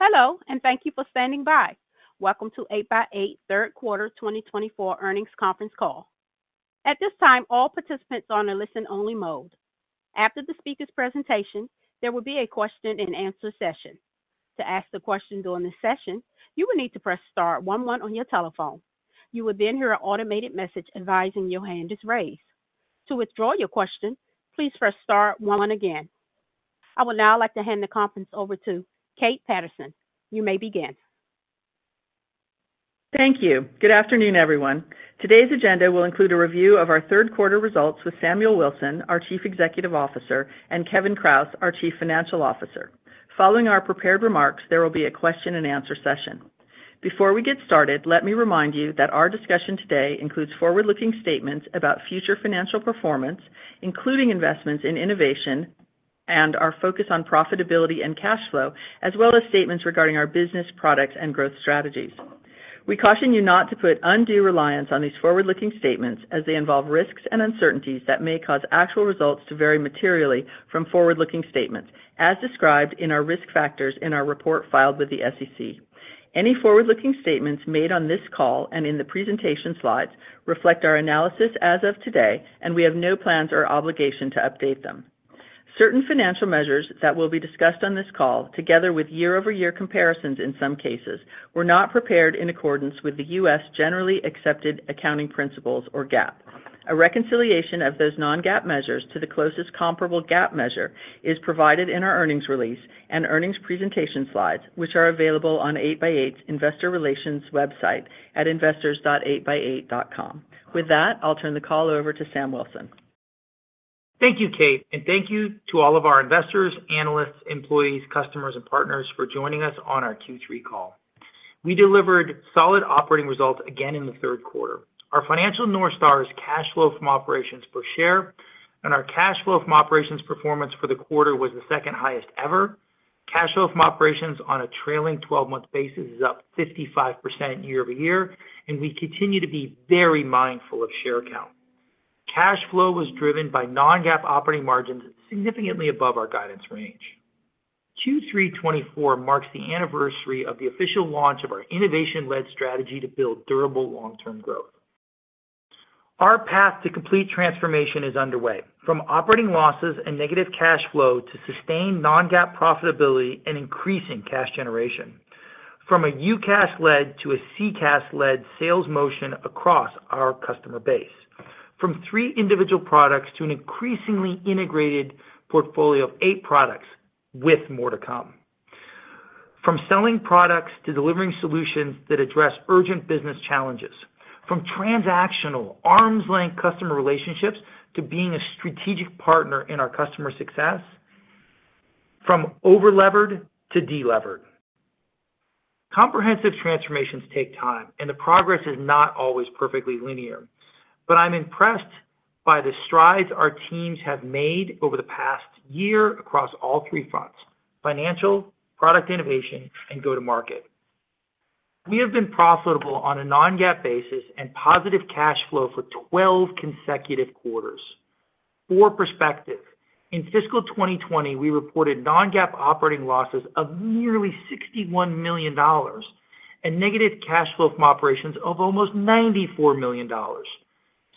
Hello, and thank you for standing by. Welcome to 8x8 third quarter 2024 earnings conference call. At this time, all participants are on a listen-only mode. After the speaker's presentation, there will be a question-and-answer session. To ask the question during the session, you will need to press star one one on your telephone. You will then hear an automated message advising your hand is raised. To withdraw your question, please press star one again. I would now like to hand the conference over to Kate Patterson. You may begin. Thank you. Good afternoon, everyone. Today's agenda will include a review of our third quarter results with Samuel Wilson, our Chief Executive Officer, and Kevin Kraus, our Chief Financial Officer. Following our prepared remarks, there will be a question-and-answer session. Before we get started, let me remind you that our discussion today includes forward-looking statements about future financial performance, including investments in innovation and our focus on profitability and cash flow, as well as statements regarding our business, products, and growth strategies. We caution you not to put undue reliance on these forward-looking statements as they involve risks and uncertainties that may cause actual results to vary materially from forward-looking statements, as described in our risk factors in our report filed with the SEC. Any forward-looking statements made on this call and in the presentation slides reflect our analysis as of today, and we have no plans or obligation to update them. Certain financial measures that will be discussed on this call, together with year-over-year comparisons in some cases, were not prepared in accordance with the U.S. generally accepted accounting principles, or GAAP. A reconciliation of those non-GAAP measures to the closest comparable GAAP measure is provided in our earnings release and earnings presentation slides, which are available on 8x8's investor relations website at investors.8x8.com. With that, I'll turn the call over to Sam Wilson. Thank you, Kate, and thank you to all of our investors, analysts, employees, customers, and partners for joining us on our Q3 call. We delivered solid operating results again in the third quarter. Our financial North Star is cash flow from operations per share, and our cash flow from operations performance for the quarter was the second highest ever. Cash flow from operations on a trailing twelve-month basis is up 55% year-over-year, and we continue to be very mindful of share count. Cash flow was driven by non-GAAP operating margins, significantly above our guidance range. Q3 2024 marks the anniversary of the official launch of our innovation-led strategy to build durable long-term growth. Our path to complete transformation is underway, from operating losses and negative cash flow to sustained non-GAAP profitability and increasing cash generation. From a UCaaS-led to a CCaaS-led sales motion across our customer base, from three individual products to an increasingly integrated portfolio of eight products with more to come, from selling products to delivering solutions that address urgent business challenges, from transactional arm's length customer relationships to being a strategic partner in our customer success, from over-levered to de-levered. Comprehensive transformations take time, and the progress is not always perfectly linear, but I'm impressed by the strides our teams have made over the past year across all three fronts: financial, product innovation, and go-to-market. We have been profitable on a non-GAAP basis and positive cash flow for 12 consecutive quarters. For perspective, in fiscal 2020, we reported non-GAAP operating losses of nearly $61 million and negative cash flow from operations of almost $94 million.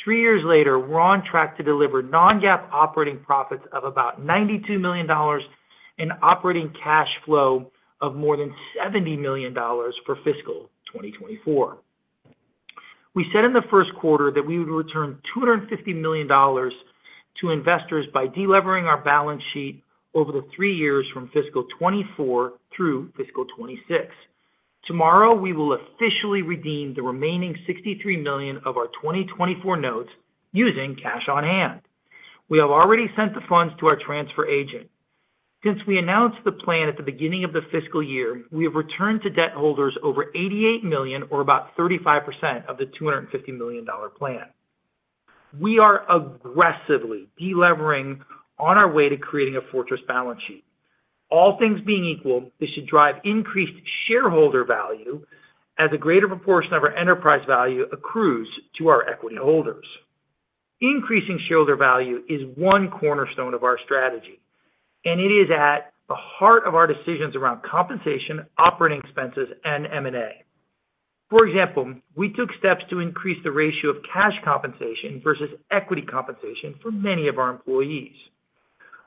Three years later, we're on track to deliver non-GAAP operating profits of about $92 million and operating cash flow of more than $70 million for fiscal 2024. We said in the first quarter that we would return $250 million to investors by delevering our balance sheet over the three years from fiscal 2024 through fiscal 2026. Tomorrow, we will officially redeem the remaining $63 million of our 2024 notes using cash on hand. We have already sent the funds to our transfer agent. Since we announced the plan at the beginning of the fiscal year, we have returned to debt holders over $88 million, or about 35% of the $250 million plan. We are aggressively delevering on our way to creating a fortress balance sheet. All things being equal, this should drive increased shareholder value as a greater proportion of our enterprise value accrues to our equity holders. Increasing shareholder value is one cornerstone of our strategy, and it is at the heart of our decisions around compensation, operating expenses, and M&A. For example, we took steps to increase the ratio of cash compensation versus equity compensation for many of our employees.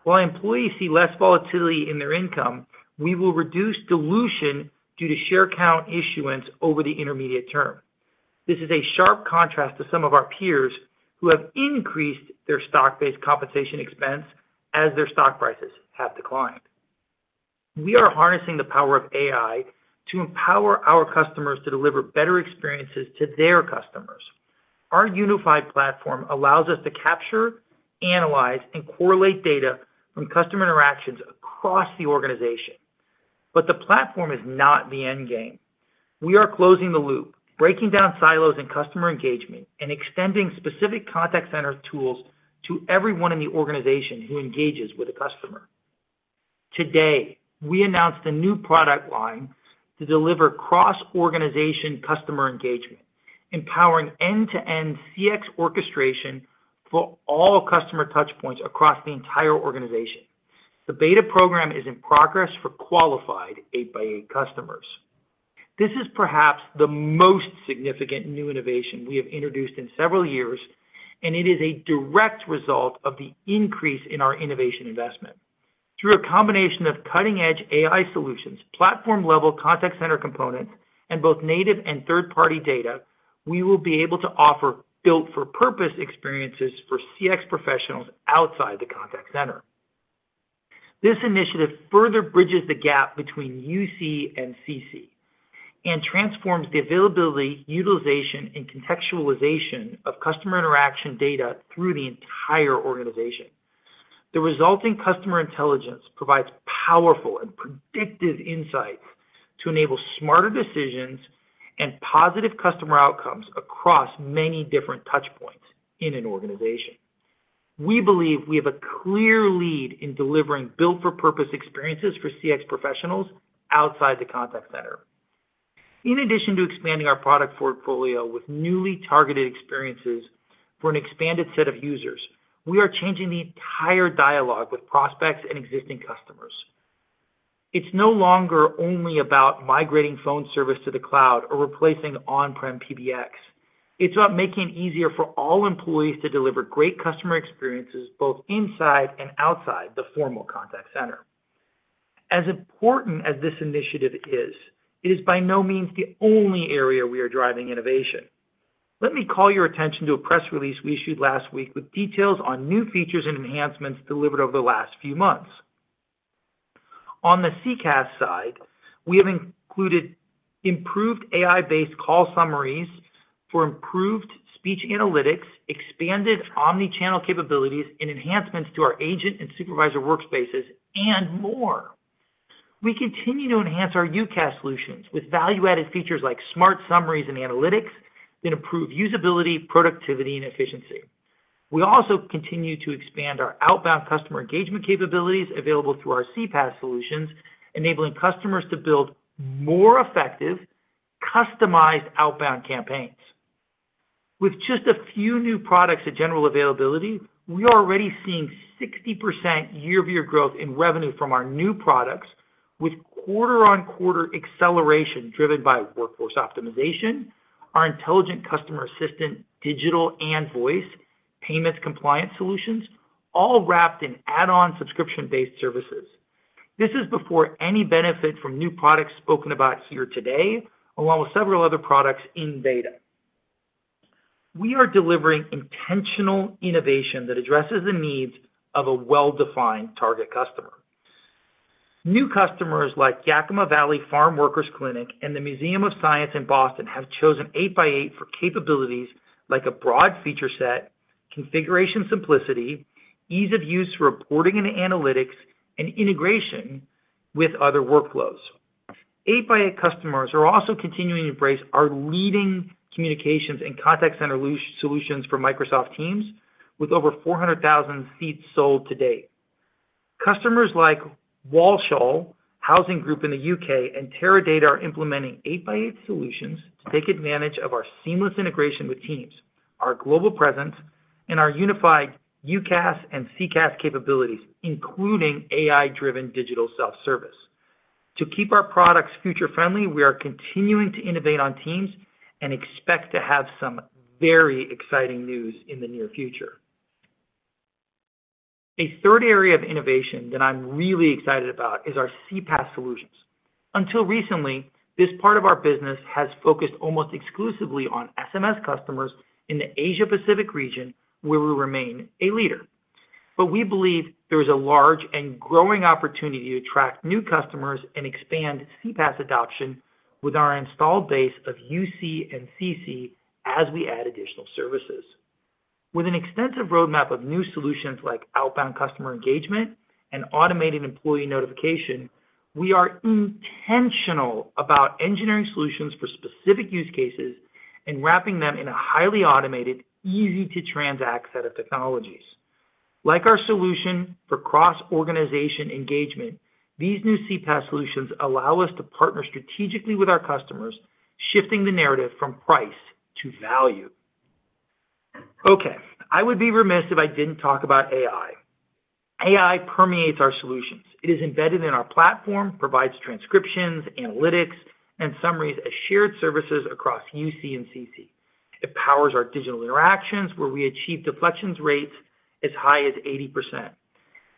While employees see less volatility in their income, we will reduce dilution due to share count issuance over the intermediate term. This is a sharp contrast to some of our peers, who have increased their stock-based compensation expense as their stock prices have declined. We are harnessing the power of AI to empower our customers to deliver better experiences to their customers. Our unified platform allows us to capture, analyze, and correlate data from customer interactions across the organization. But the platform is not the end game. We are closing the loop, breaking down silos in customer engagement, and extending specific contact center tools to everyone in the organization who engages with the customer. Today, we announced a new product line to deliver cross-organization customer engagement, empowering end-to-end CX orchestration for all customer touchpoints across the entire organization. The beta program is in progress for qualified 8x8 customers. This is perhaps the most significant new innovation we have introduced in several years, and it is a direct result of the increase in our innovation investment. Through a combination of cutting-edge AI solutions, platform-level contact center components, and both native and third-party data, we will be able to offer built-for-purpose experiences for CX professionals outside the contact center. This initiative further bridges the gap between UC and CC, and transforms the availability, utilization, and contextualization of customer interaction data through the entire organization. The resulting customer intelligence provides powerful and predictive insights to enable smarter decisions and positive customer outcomes across many different touchpoints in an organization. We believe we have a clear lead in delivering built-for-purpose experiences for CX professionals outside the contact center. In addition to expanding our product portfolio with newly targeted experiences for an expanded set of users, we are changing the entire dialogue with prospects and existing customers. It's no longer only about migrating phone service to the cloud or replacing on-prem PBX. It's about making it easier for all employees to deliver great customer experiences, both inside and outside the formal contact center. As important as this initiative is, it is by no means the only area we are driving innovation. Let me call your attention to a press release we issued last week with details on new features and enhancements delivered over the last few months. On the CCaaS side, we have included improved AI-based call summaries for improved speech analytics, expanded omni-channel capabilities, and enhancements to our agent and supervisor workspaces, and more. We continue to enhance our UCaaS solutions with value-added features like smart summaries and analytics that improve usability, productivity, and efficiency. We also continue to expand our outbound customer engagement capabilities available through our CPaaS solutions, enabling customers to build more effective, customized outbound campaigns. With just a few new products at general availability, we are already seeing 60% year-over-year growth in revenue from our new products, with quarter-on-quarter acceleration driven by workforce optimization, our intelligent customer assistant, digital and voice, payments compliance solutions, all wrapped in add-on subscription-based services. This is before any benefit from new products spoken about here today, along with several other products in beta. We are delivering intentional innovation that addresses the needs of a well-defined target customer. New customers like Yakima Valley Farm Workers Clinic and the Museum of Science in Boston have chosen 8x8 for capabilities like a broad feature set, configuration simplicity, ease of use, reporting and analytics, and integration with other workflows. 8x8 customers are also continuing to embrace our leading communications and contact center cloud solutions for Microsoft Teams, with over 400,000 seats sold to date. Customers like Walsall Housing Group in the UK and Teradata are implementing 8x8 solutions to take advantage of our seamless integration with Teams, our global presence, and our unified UCaaS and CCaaS capabilities, including AI-driven digital self-service. To keep our products future-friendly, we are continuing to innovate on Teams and expect to have some very exciting news in the near future. A third area of innovation that I'm really excited about is our CPaaS solutions. Until recently, this part of our business has focused almost exclusively on SMS customers in the Asia Pacific region, where we remain a leader. But we believe there is a large and growing opportunity to attract new customers and expand CPaaS adoption with our installed base of UC and CC as we add additional services. With an extensive roadmap of new solutions like outbound customer engagement and automated employee notification, we are intentional about engineering solutions for specific use cases and wrapping them in a highly automated, easy-to-transact set of technologies. Like our solution for cross-organization engagement, these new CPaaS solutions allow us to partner strategically with our customers, shifting the narrative from price to value. Okay, I would be remiss if I didn't talk about AI. AI permeates our solutions. It is embedded in our platform, provides transcriptions, analytics, and summaries as shared services across UC and CC. It powers our digital interactions, where we achieve deflection rates as high as 80%.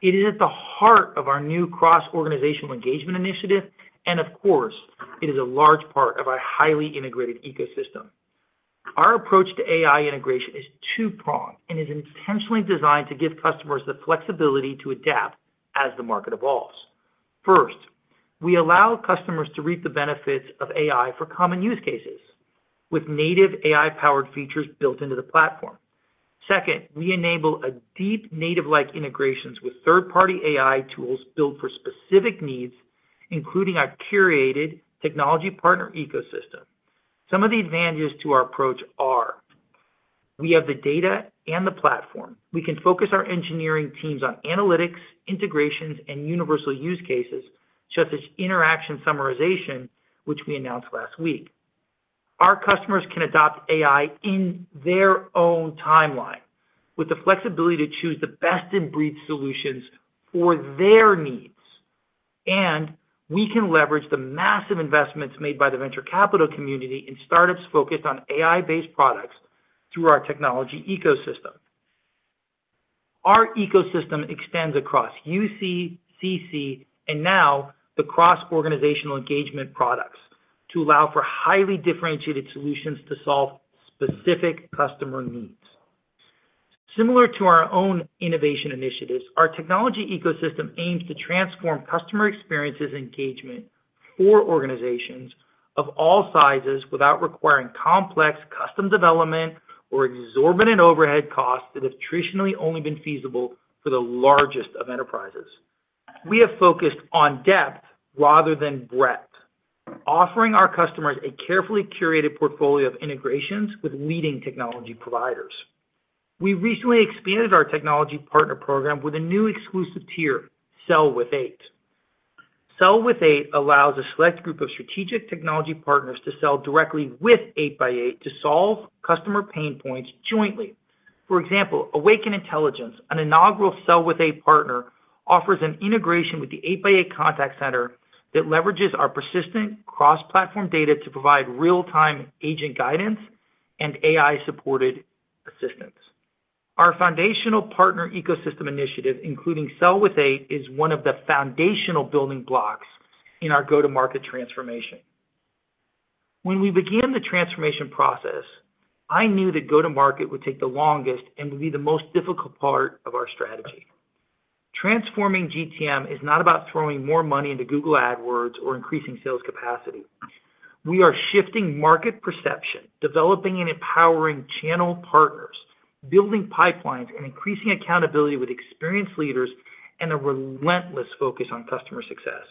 It is at the heart of our new cross-organizational engagement initiative, and of course, it is a large part of our highly integrated ecosystem. Our approach to AI integration is two-pronged and is intentionally designed to give customers the flexibility to adapt as the market evolves. First, we allow customers to reap the benefits of AI for common use cases with native AI-powered features built into the platform. Second, we enable a deep native-like integrations with third-party AI tools built for specific needs, including our curated technology partner ecosystem. Some of the advantages to our approach are:... We have the data and the platform. We can focus our engineering teams on analytics, integrations, and universal use cases, such as interaction summarization, which we announced last week. Our customers can adopt AI in their own timeline, with the flexibility to choose the best-in-breed solutions for their needs, and we can leverage the massive investments made by the venture capital community in startups focused on AI-based products through our technology ecosystem. Our ecosystem expands across UC, CC, and now the cross-organizational engagement products to allow for highly differentiated solutions to solve specific customer needs. Similar to our own innovation initiatives, our technology ecosystem aims to transform customer experiences engagement for organizations of all sizes, without requiring complex custom development or exorbitant overhead costs that have traditionally only been feasible for the largest of enterprises. We have focused on depth rather than breadth, offering our customers a carefully curated portfolio of integrations with leading technology providers. We recently expanded our technology partner program with a new exclusive tier, SellWith8. SellWith8 allows a select group of strategic technology partners to sell directly with 8x8 to solve customer pain points jointly. For example, Awaken Intelligence, an inaugural SellWith8 partner, offers an integration with the 8x8 Contact Center that leverages our persistent cross-platform data to provide real-time agent guidance and AI-supported assistance. Our foundational partner ecosystem initiative, including SellWith8, is one of the foundational building blocks in our go-to-market transformation. When we began the transformation process, I knew that go-to-market would take the longest and would be the most difficult part of our strategy. Transforming GTM is not about throwing more money into Google AdWords or increasing sales capacity. We are shifting market perception, developing and empowering channel partners, building pipelines, and increasing accountability with experienced leaders, and a relentless focus on customer success.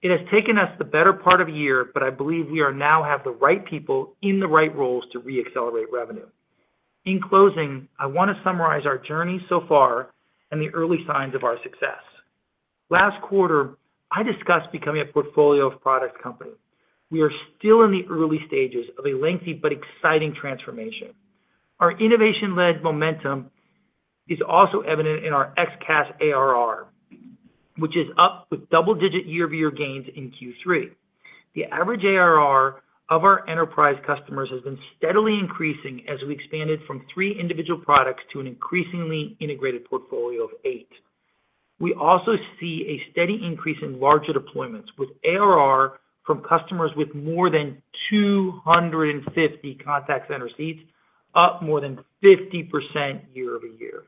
It has taken us the better part of a year, but I believe we are now have the right people in the right roles to reaccelerate revenue. In closing, I want to summarize our journey so far and the early signs of our success. Last quarter, I discussed becoming a portfolio of product company. We are still in the early stages of a lengthy but exciting transformation. Our innovation-led momentum is also evident in our ex-CaaS ARR, which is up with double-digit year-over-year gains in Q3. The average ARR of our enterprise customers has been steadily increasing as we expanded from three individual products to an increasingly integrated portfolio of 8. We also see a steady increase in larger deployments, with ARR from customers with more than 250 contact center seats, up more than 50% year-over-year.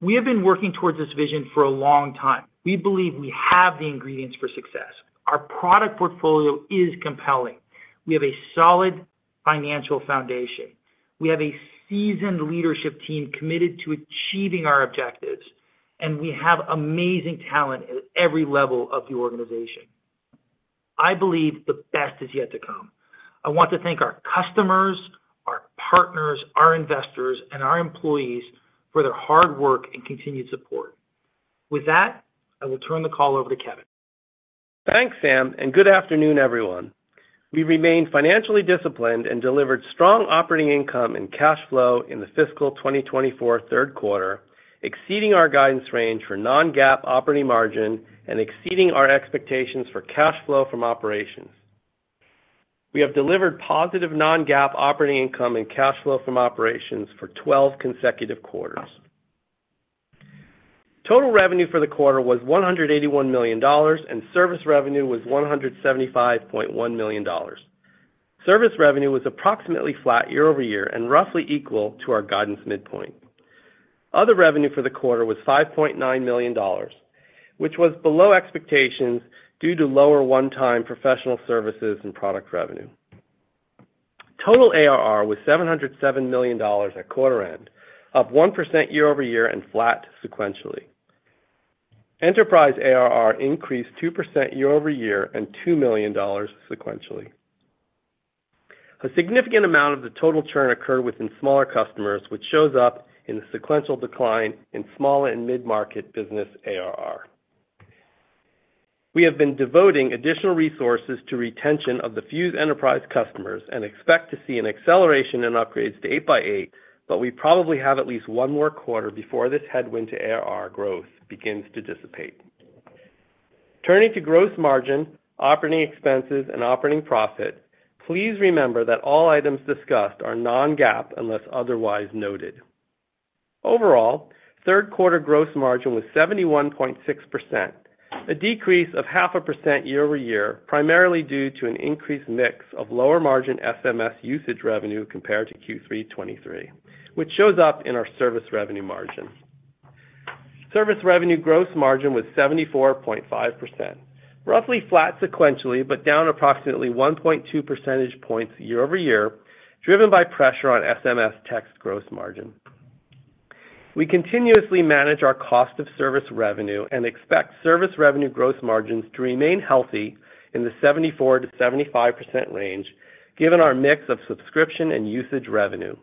We have been working towards this vision for a long time. We believe we have the ingredients for success. Our product portfolio is compelling. We have a solid financial foundation. We have a seasoned leadership team committed to achieving our objectives, and we have amazing talent at every level of the organization. I believe the best is yet to come. I want to thank our customers, our partners, our investors, and our employees for their hard work and continued support. With that, I will turn the call over to Kevin. Thanks, Sam, and good afternoon, everyone. We remained financially disciplined and delivered strong operating income and cash flow in the fiscal 2024 third quarter, exceeding our guidance range for non-GAAP operating margin and exceeding our expectations for cash flow from operations. We have delivered positive non-GAAP operating income and cash flow from operations for 12 consecutive quarters. Total revenue for the quarter was $181 million, and service revenue was $175.1 million. Service revenue was approximately flat year-over-year and roughly equal to our guidance midpoint. Other revenue for the quarter was $5.9 million, which was below expectations due to lower one-time professional services and product revenue. Total ARR was $707 million at quarter end, up 1% year-over-year and flat sequentially. Enterprise ARR increased 2% year-over-year and $2 million sequentially. A significant amount of the total churn occurred within smaller customers, which shows up in the sequential decline in small and mid-market business ARR. We have been devoting additional resources to retention of the Fuze enterprise customers and expect to see an acceleration in upgrades to 8x8, but we probably have at least one more quarter before this headwind to ARR growth begins to dissipate. Turning to gross margin, operating expenses, and operating profit, please remember that all items discussed are non-GAAP, unless otherwise noted. Overall, third quarter gross margin was 71.6%, a decrease of 0.5% year-over-year, primarily due to an increased mix of lower margin SMS usage revenue compared to Q3 2023, which shows up in our service revenue margin. Service revenue gross margin was 74.5%, roughly flat sequentially, but down approximately 1.2 percentage points year-over-year, driven by pressure on SMS text gross margin.... We continuously manage our cost of service revenue and expect service revenue gross margins to remain healthy in the 74%-75% range, given our mix of subscription and usage revenue.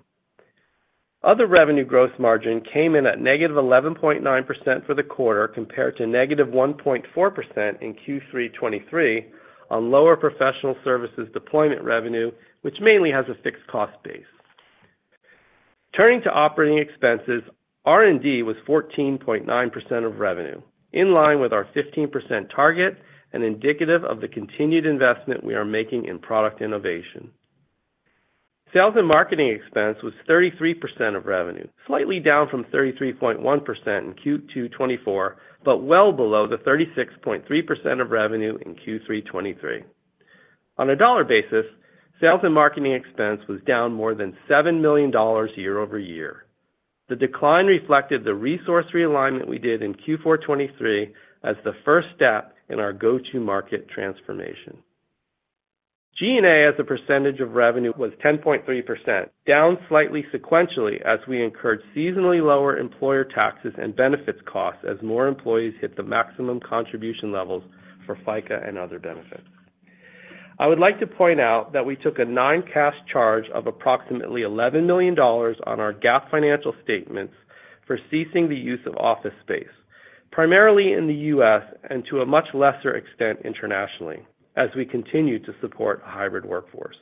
Other revenue gross margin came in at -11.9% for the quarter, compared to -1.4% in Q3 2023, on lower professional services deployment revenue, which mainly has a fixed cost base. Turning to operating expenses, R&D was 14.9% of revenue, in line with our 15% target and indicative of the continued investment we are making in product innovation. Sales and marketing expense was 33% of revenue, slightly down from 33.1% in Q2 2024, but well below the 36.3% of revenue in Q3 2023. On a dollar basis, sales and marketing expense was down more than $7 million year over year. The decline reflected the resource realignment we did in Q4 2023 as the first step in our go-to-market transformation. G&A, as a percentage of revenue, was 10.3%, down slightly sequentially as we incurred seasonally lower employer taxes and benefits costs as more employees hit the maximum contribution levels for FICA and other benefits. I would like to point out that we took a non-cash charge of approximately $11 million on our GAAP financial statements for ceasing the use of office space, primarily in the U.S. and to a much lesser extent internationally, as we continue to support a hybrid workforce.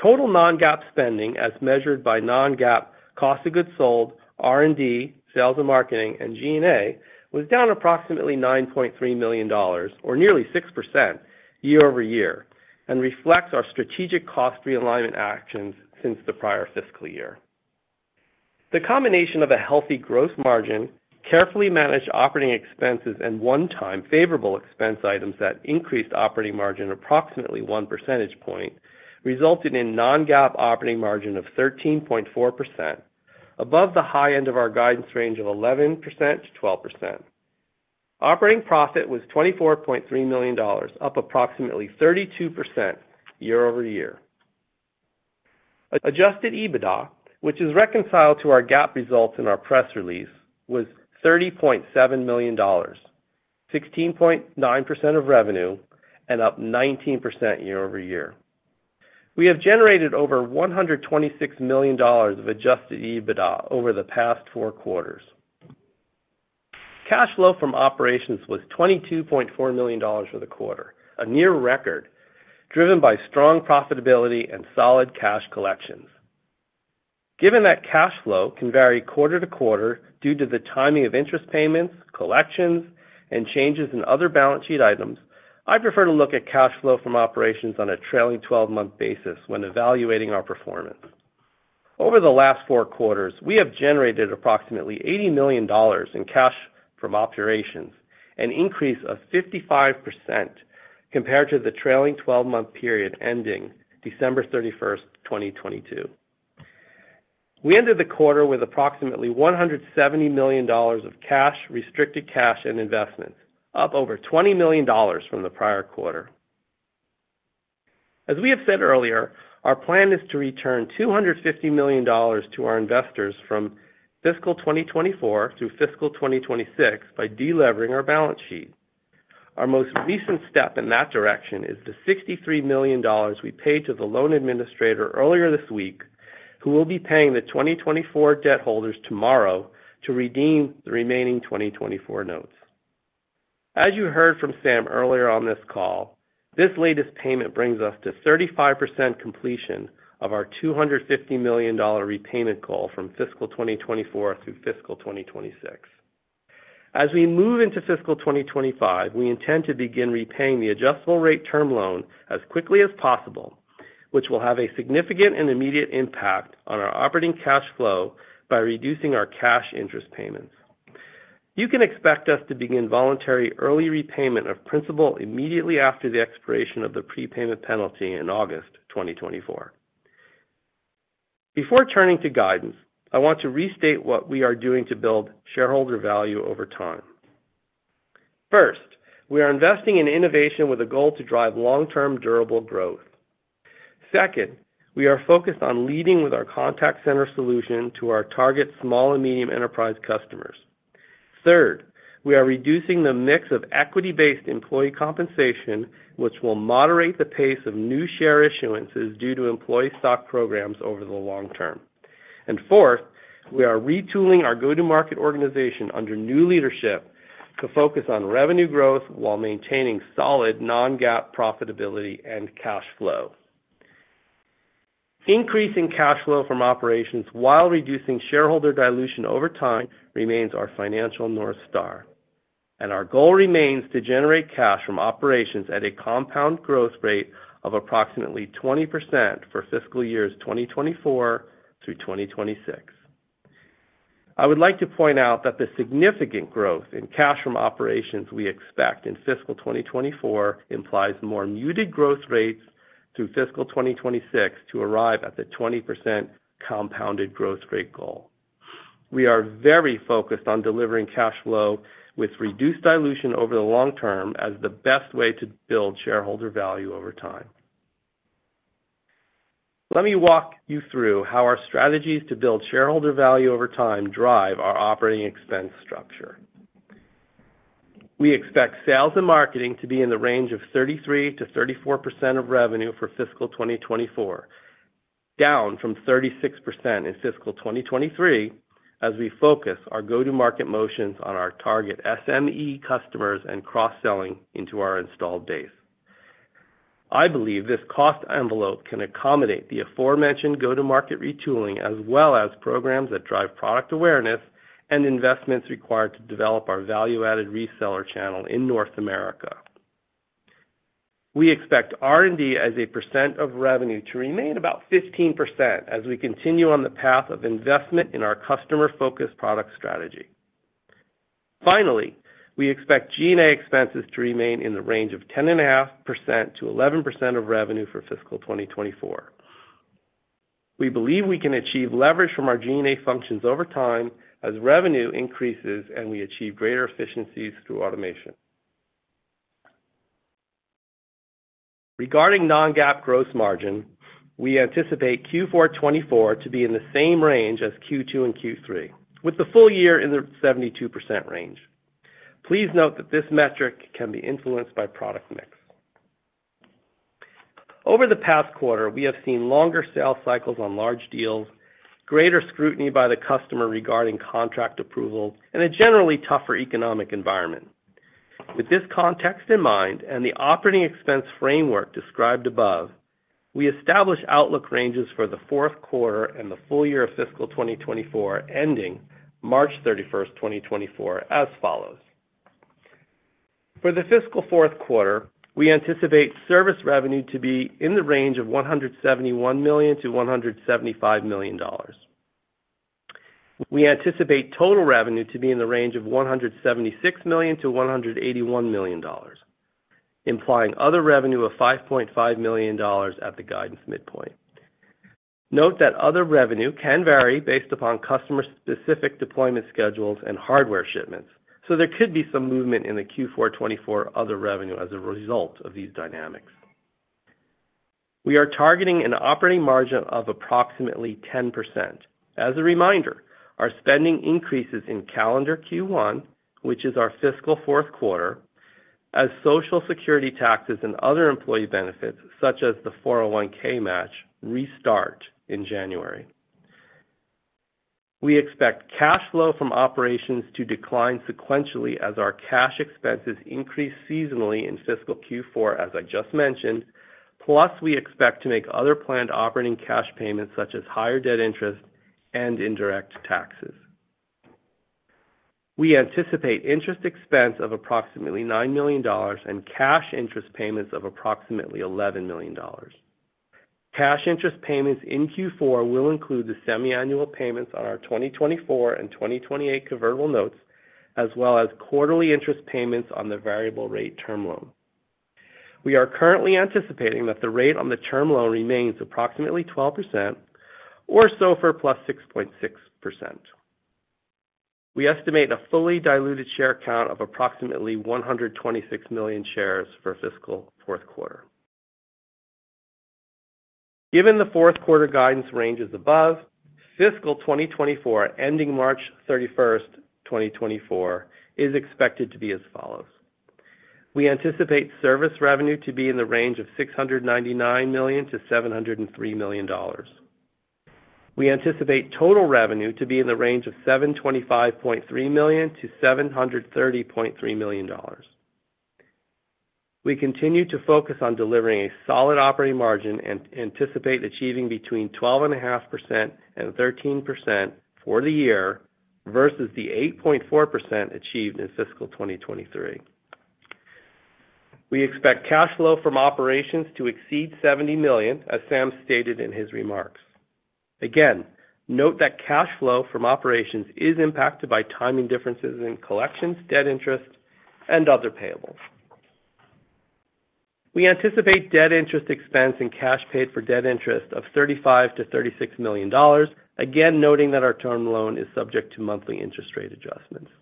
Total non-GAAP spending, as measured by non-GAAP cost of goods sold, R&D, sales and marketing, and G&A, was down approximately $9.3 million, or nearly 6% year-over-year, and reflects our strategic cost realignment actions since the prior fiscal year. The combination of a healthy growth margin, carefully managed operating expenses, and one-time favorable expense items that increased operating margin approximately one percentage point, resulted in non-GAAP operating margin of 13.4%, above the high end of our guidance range of 11%-12%. Operating profit was $24.3 million, up approximately 32% year over year. Adjusted EBITDA, which is reconciled to our GAAP results in our press release, was $30.7 million, 16.9% of revenue, and up 19% year over year. We have generated over $126 million of adjusted EBITDA over the past four quarters. Cash flow from operations was $22.4 million for the quarter, a near record, driven by strong profitability and solid cash collections. Given that cash flow can vary quarter to quarter due to the timing of interest payments, collections, and changes in other balance sheet items, I prefer to look at cash flow from operations on a trailing twelve-month basis when evaluating our performance. Over the last 4 quarters, we have generated approximately $80 million in cash from operations, an increase of 55% compared to the trailing 12-month period ending December 31, 2022. We ended the quarter with approximately $170 million of cash, restricted cash and investment, up over $20 million from the prior quarter. As we have said earlier, our plan is to return $250 million to our investors from fiscal 2024 through fiscal 2026 by delevering our balance sheet. Our most recent step in that direction is the $63 million we paid to the loan administrator earlier this week, who will be paying the 2024 debt holders tomorrow to redeem the remaining 2024 notes. As you heard from Sam earlier on this call, this latest payment brings us to 35% completion of our $250 million repayment call from fiscal 2024 through fiscal 2026. As we move into fiscal 2025, we intend to begin repaying the adjustable rate term loan as quickly as possible, which will have a significant and immediate impact on our operating cash flow by reducing our cash interest payments. You can expect us to begin voluntary early repayment of principal immediately after the expiration of the prepayment penalty in August 2024. Before turning to guidance, I want to restate what we are doing to build shareholder value over time. First, we are investing in innovation with a goal to drive long-term, durable growth. Second, we are focused on leading with our contact center solution to our target small and medium enterprise customers. Third, we are reducing the mix of equity-based employee compensation, which will moderate the pace of new share issuances due to employee stock programs over the long term. Fourth, we are retooling our go-to-market organization under new leadership to focus on revenue growth while maintaining solid non-GAAP profitability and cash flow. Increasing cash flow from operations while reducing shareholder dilution over time remains our financial North Star, and our goal remains to generate cash from operations at a compound growth rate of approximately 20% for fiscal years 2024 through 2026. I would like to point out that the significant growth in cash from operations we expect in fiscal 2024 implies more muted growth rates through fiscal 2026 to arrive at the 20% compounded growth rate goal. We are very focused on delivering cash flow with reduced dilution over the long term as the best way to build shareholder value over time. Let me walk you through how our strategies to build shareholder value over time drive our operating expense structure. We expect sales and marketing to be in the range of 33%-34% of revenue for fiscal 2024, down from 36% in fiscal 2023, as we focus our go-to-market motions on our target SME customers and cross-selling into our installed base. I believe this cost envelope can accommodate the aforementioned go-to-market retooling, as well as programs that drive product awareness and investments required to develop our value-added reseller channel in North America. We expect R&D as a percent of revenue to remain about 15%, as we continue on the path of investment in our customer-focused product strategy. Finally, we expect G&A expenses to remain in the range of 10.5%-11% of revenue for fiscal 2024. We believe we can achieve leverage from our G&A functions over time as revenue increases and we achieve greater efficiencies through automation. Regarding non-GAAP gross margin, we anticipate Q4 2024 to be in the same range as Q2 and Q3, with the full year in the 72% range. Please note that this metric can be influenced by product mix. Over the past quarter, we have seen longer sales cycles on large deals, greater scrutiny by the customer regarding contract approval, and a generally tougher economic environment. With this context in mind and the operating expense framework described above, we established outlook ranges for the fourth quarter and the full year of fiscal 2024, ending March 31, 2024, as follows: For the fiscal fourth quarter, we anticipate service revenue to be in the range of $171 million-$175 million. We anticipate total revenue to be in the range of $176 million-$181 million, implying other revenue of $5.5 million at the guidance midpoint. Note that other revenue can vary based upon customer-specific deployment schedules and hardware shipments, so there could be some movement in the Q4 2024 other revenue as a result of these dynamics. We are targeting an operating margin of approximately 10%. As a reminder, our spending increases in calendar Q1, which is our fiscal fourth quarter, as Social Security taxes and other employee benefits, such as the 401(k) match, restart in January. We expect cash flow from operations to decline sequentially as our cash expenses increase seasonally in fiscal Q4, as I just mentioned, plus we expect to make other planned operating cash payments, such as higher debt interest and indirect taxes. We anticipate interest expense of approximately $9 million and cash interest payments of approximately $11 million. Cash interest payments in Q4 will include the semiannual payments on our 2024 and 2028 convertible notes, as well as quarterly interest payments on the variable rate term loan. We are currently anticipating that the rate on the term loan remains approximately 12% or SOFR + 6.6%. We estimate a fully diluted share count of approximately 126 million shares for fiscal fourth quarter. Given the fourth quarter guidance ranges above, fiscal 2024, ending March 31, 2024, is expected to be as follows: We anticipate service revenue to be in the range of $699 million-$703 million. We anticipate total revenue to be in the range of $725.3 million-$730.3 million. We continue to focus on delivering a solid operating margin and anticipate achieving between 12.5% and 13% for the year versus the 8.4% achieved in fiscal 2023. We expect cash flow from operations to exceed 70 million, as Sam stated in his remarks. Again, note that cash flow from operations is impacted by timing differences in collections, debt interest, and other payables. We anticipate debt interest expense and cash paid for debt interest of $35 million-$36 million, again, noting that our term loan is subject to monthly interest rate adjustments.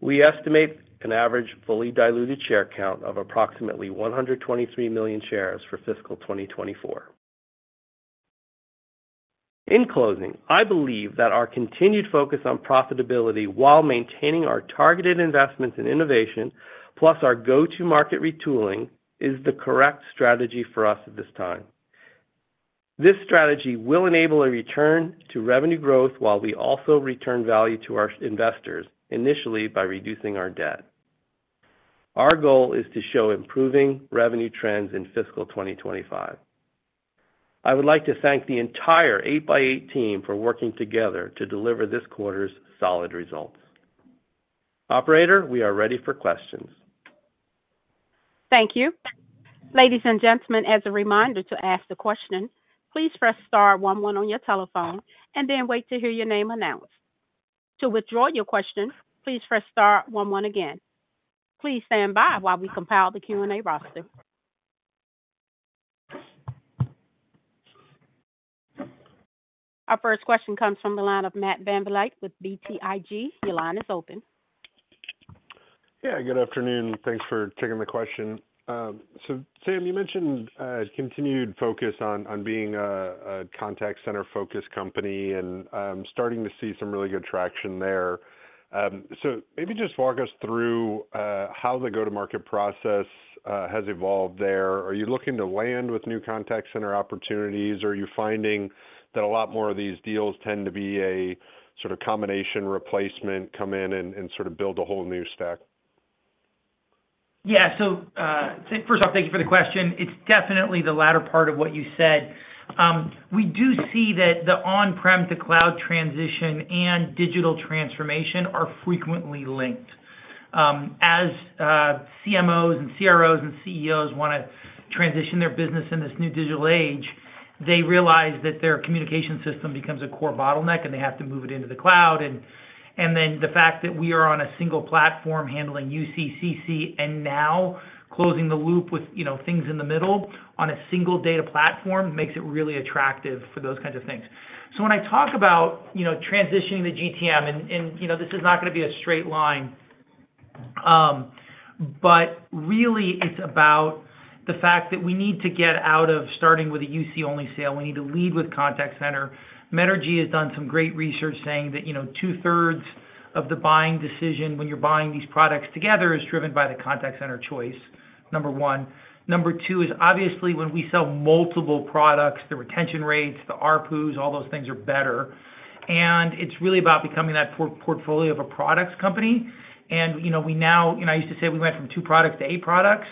We estimate an average fully diluted share count of approximately 123 million shares for fiscal 2024. In closing, I believe that our continued focus on profitability while maintaining our targeted investments in innovation, plus our go-to-market retooling, is the correct strategy for us at this time. This strategy will enable a return to revenue growth while we also return value to our investors, initially by reducing our debt. Our goal is to show improving revenue trends in fiscal 2025. I would like to thank the entire 8x8 team for working together to deliver this quarter's solid results. Operator, we are ready for questions. Thank you. Ladies and gentlemen, as a reminder to ask the question, please press star one one on your telephone and then wait to hear your name announced. To withdraw your question, please press star one one again. Please stand by while we compile the Q&A roster. Our first question comes from the line of Matt VanVliet with BTIG. Your line is open. Yeah, good afternoon. Thanks for taking the question. So Sam, you mentioned continued focus on being a contact center-focused company, and I'm starting to see some really good traction there. So maybe just walk us through how the go-to-market process has evolved there. Are you looking to land with new contact center opportunities? Are you finding that a lot more of these deals tend to be a sort of combination replacement, come in and sort of build a whole new stack? Yeah. So, first off, thank you for the question. It's definitely the latter part of what you said. We do see that the on-prem to cloud transition and digital transformation are frequently linked. As CMOs and CROs and CEOs wanna transition their business in this new digital age, they realize that their communication system becomes a core bottleneck, and they have to move it into the cloud. And then the fact that we are on a single platform handling UCaaS, and now closing the loop with, you know, things in the middle on a single data platform, makes it really attractive for those kinds of things. So when I talk about, you know, transitioning the GTM, and, you know, this is not gonna be a straight line, but really it's about the fact that we need to get out of starting with a UC-only sale. We need to lead with contact center. Metrigy has done some great research saying that, you know, 2/3 of the buying decision when you're buying these products together, is driven by the contact center choice, number one. Number two is, obviously, when we sell multiple products, the retention rates, the ARPU, all those things are better. And it's really about becoming that portfolio of a products company. You know, we now—I used to say we went from two products to eight products,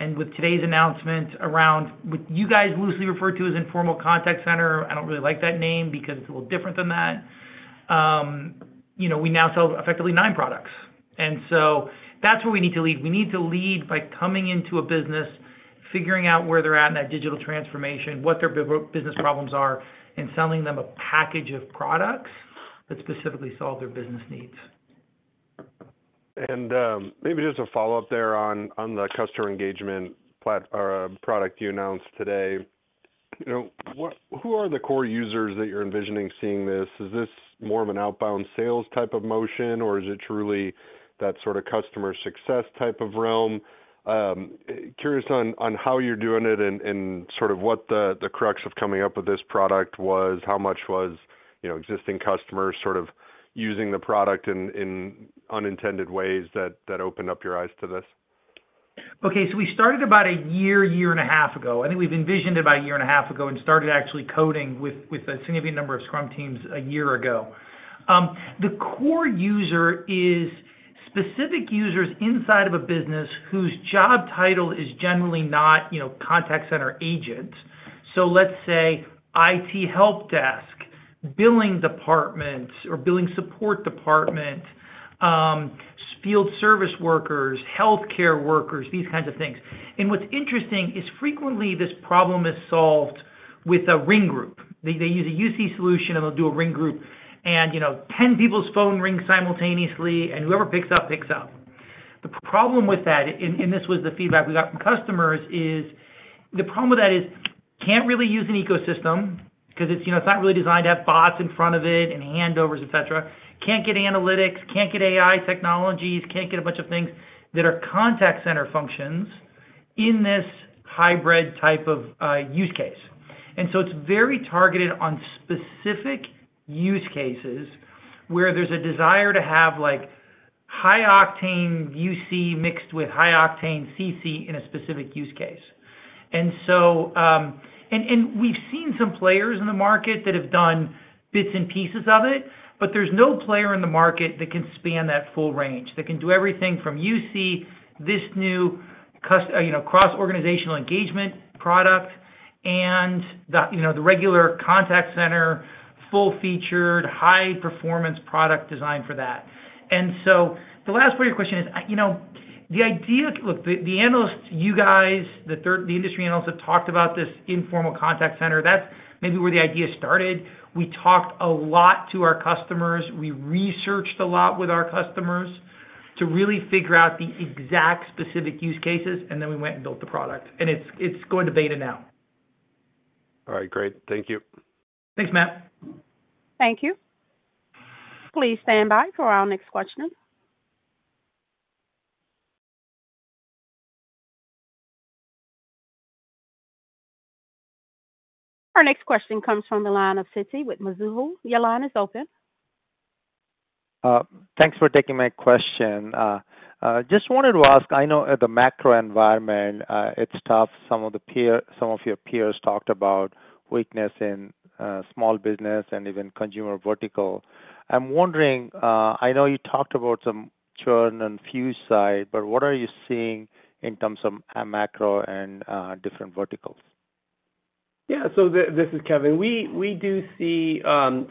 and with today's announcement around what you guys loosely refer to as informal contact center, I don't really like that name because it's a little different than that. You know, we now sell effectively 9 products, and so that's where we need to lead. We need to lead by coming into a business, figuring out where they're at in that digital transformation, what their business problems are, and selling them a package of products that specifically solve their business needs. Maybe just a follow-up there on the customer engagement platform or product you announced today. You know, what—who are the core users that you're envisioning seeing this? Is this more of an outbound sales type of motion, or is it truly that sort of customer success type of realm? Curious on how you're doing it and sort of what the crux of coming up with this product was. How much was, you know, existing customers sort of using the product in unintended ways that opened up your eyes to this? Okay, so we started about a year, year and a half ago. I think we'd envisioned it about a year and a half ago and started actually coding with a significant number of Scrum teams a year ago. The core user is specific users inside of a business whose job title is generally not, you know, contact center agent. So let's say, IT help desk, billing department or billing support department, field service workers, healthcare workers, these kinds of things. And what's interesting is, frequently, this problem is solved with a ring group. They use a UC solution, and they'll do a ring group. And, you know, 10 people's phones ring simultaneously, and whoever picks up, picks up. The problem with that, and this was the feedback we got from customers, is... The problem with that is, can't really use an ecosystem 'cause it's, you know, it's not really designed to have bots in front of it and handovers, et cetera. Can't get analytics, can't get AI technologies, can't get a bunch of things that are contact center functions in this hybrid type of use case. And so it's very targeted on specific use cases, where there's a desire to have, like, high-octane UC mixed with high-octane CC in a specific use case. And so, and we've seen some players in the market that have done bits and pieces of it, but there's no player in the market that can span that full range, that can do everything from UC, this new, you know, cross-organizational engagement product, and the, you know, the regular contact center, full-featured, high-performance product designed for that. And so the last part of your question is, I—you know, the idea. Look, the, the analysts, you guys, the industry analysts have talked about this informal contact center. That's maybe where the idea started. We talked a lot to our customers. We researched a lot with our customers to really figure out the exact specific use cases, and then we went and built the product. And it's, it's going to beta now. All right, great. Thank you. Thanks, Matt. Thank you. Please stand by for our next questioner. Our next question comes from the line of Siti with Mizuho. Your line is open. Thanks for taking my question. Just wanted to ask, I know at the macro environment, it's tough. Some of your peers talked about weakness in small business and even consumer vertical. I'm wondering, I know you talked about some churn and Fuze side, but what are you seeing in terms of macro and different verticals? Yeah, so this is Kevin. We do see, you know,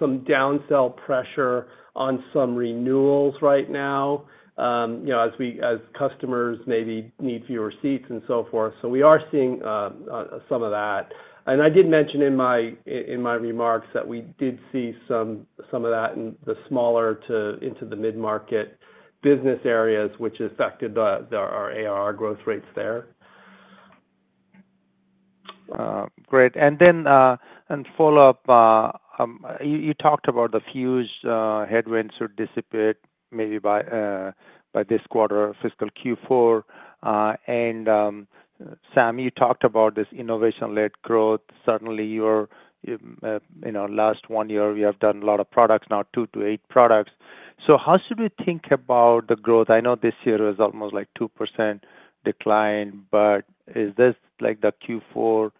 some down-sell pressure on some renewals right now, you know, as customers maybe need fewer seats and so forth. So we are seeing some of that. And I did mention in my remarks that we did see some of that in the smaller to the mid-market business areas, which affected our ARR growth rates there. ... Great. And then, and follow up, you, you talked about the Fuze headwinds should dissipate maybe by, by this quarter, fiscal Q4. And, Sam, you talked about this innovation-led growth. Suddenly, you're, in our last one year, we have done a lot of products, now 2 products-8 products. So how should we think about the growth? I know this year was almost like 2% decline, but is this like the Q4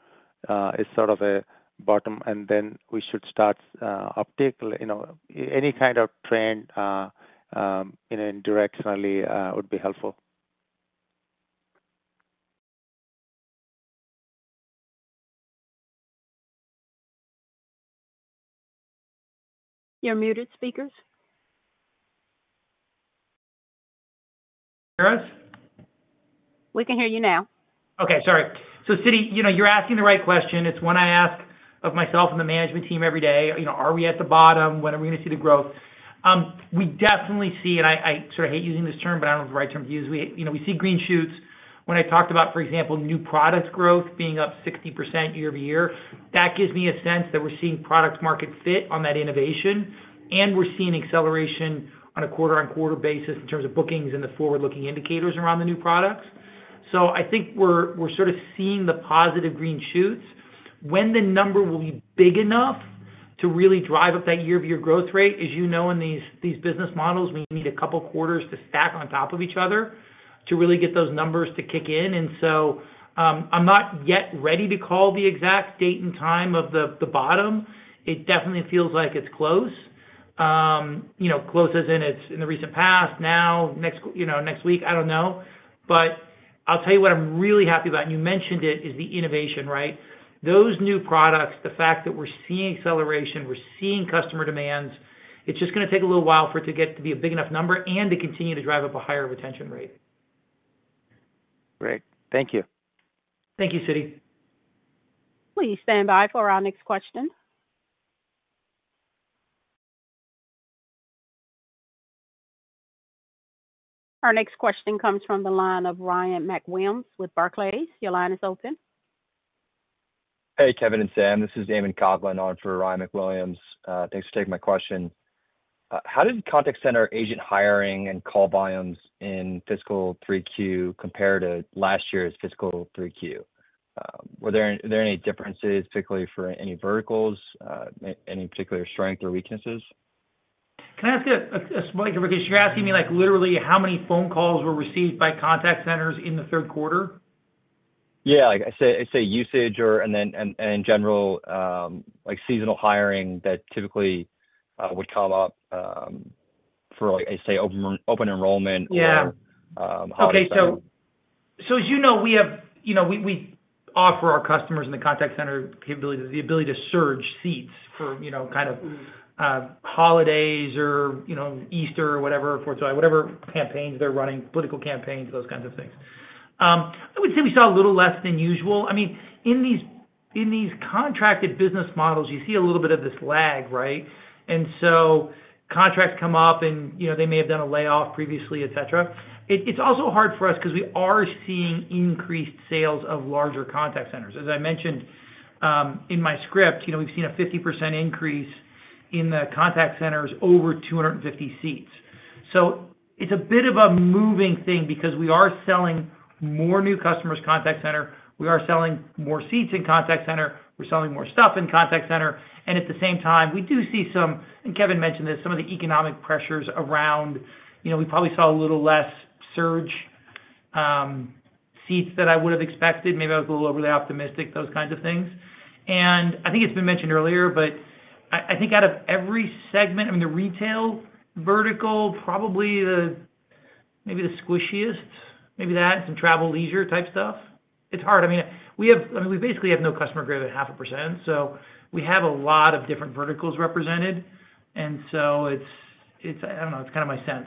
is sort of a bottom, and then we should start uptick? You know, any kind of trend in a directionally would be helpful. You're muted, speakers. Hear us? We can hear you now. Okay, sorry. So Siti, you know, you're asking the right question. It's one I ask of myself and the management team every day, you know, "Are we at the bottom? When are we gonna see the growth?" We definitely see, and I, I sort of hate using this term, but I don't know the right term to use. We, you know, we see green shoots. When I talked about, for example, new products growth being up 60% year-over-year, that gives me a sense that we're seeing product market fit on that innovation, and we're seeing acceleration on a quarter-over-quarter basis in terms of bookings and the forward-looking indicators around the new products. So I think we're, we're sort of seeing the positive green shoots. When the number will be big enough to really drive up that year-over-year growth rate, as you know, in these business models, we need a couple quarters to stack on top of each other to really get those numbers to kick in. And so, I'm not yet ready to call the exact date and time of the bottom. It definitely feels like it's close. You know, close as in it's in the recent past, now, next, you know, next week, I don't know. But I'll tell you what I'm really happy about, and you mentioned it, is the innovation, right? Those new products, the fact that we're seeing acceleration, we're seeing customer demands, it's just gonna take a little while for it to get to be a big enough number and to continue to drive up a higher retention rate. Great. Thank you. Thank you, Siti. Please stand by for our next question. Our next question comes from the line of Ryan MacWilliams, with Barclays. Your line is open. Hey, Kevin and Sam, this is Eamon Coughlin on for Ryan MacWilliams. Thanks for taking my question. How did contact center agent hiring and call volumes in fiscal Q3 compare to last year's fiscal Q3? Were there any differences, particularly for any verticals, any particular strength or weaknesses? Can I ask you a small question? You're asking me, like, literally how many phone calls were received by contact centers in the third quarter? Yeah, like, I say usage and then in general, like seasonal hiring that typically would come up for, like, I say, open enrollment or. Yeah. Okay, so as you know, we have, you know, we offer our customers in the contact center capability, the ability to surge seats for, you know, kind of, holidays or, you know, Easter or whatever, Fourth of July, whatever campaigns they're running, political campaigns, those kinds of things. I would say we saw a little less than usual. I mean, in these contracted business models, you see a little bit of this lag, right? And so contracts come up and, you know, they may have done a layoff previously, et cetera. It's also hard for us because we are seeing increased sales of larger contact centers. As I mentioned, in my script, you know, we've seen a 50% increase in the contact centers over 250 seats. So it's a bit of a moving thing because we are selling more new customers contact center, we are selling more seats in contact center, we're selling more stuff in contact center, and at the same time, we do see some, and Kevin mentioned this, some of the economic pressures around, you know, we probably saw a little less surge, seats than I would have expected. Maybe I was a little overly optimistic, those kinds of things. And I think it's been mentioned earlier, but I think out of every segment, I mean, the retail vertical, probably the, maybe the squishiest, maybe that, some travel, leisure-type stuff. It's hard. I mean, we have. I mean, we basically have no customer greater than half a percent, so we have a lot of different verticals represented. And so it's, I don't know, it's kind of my sense.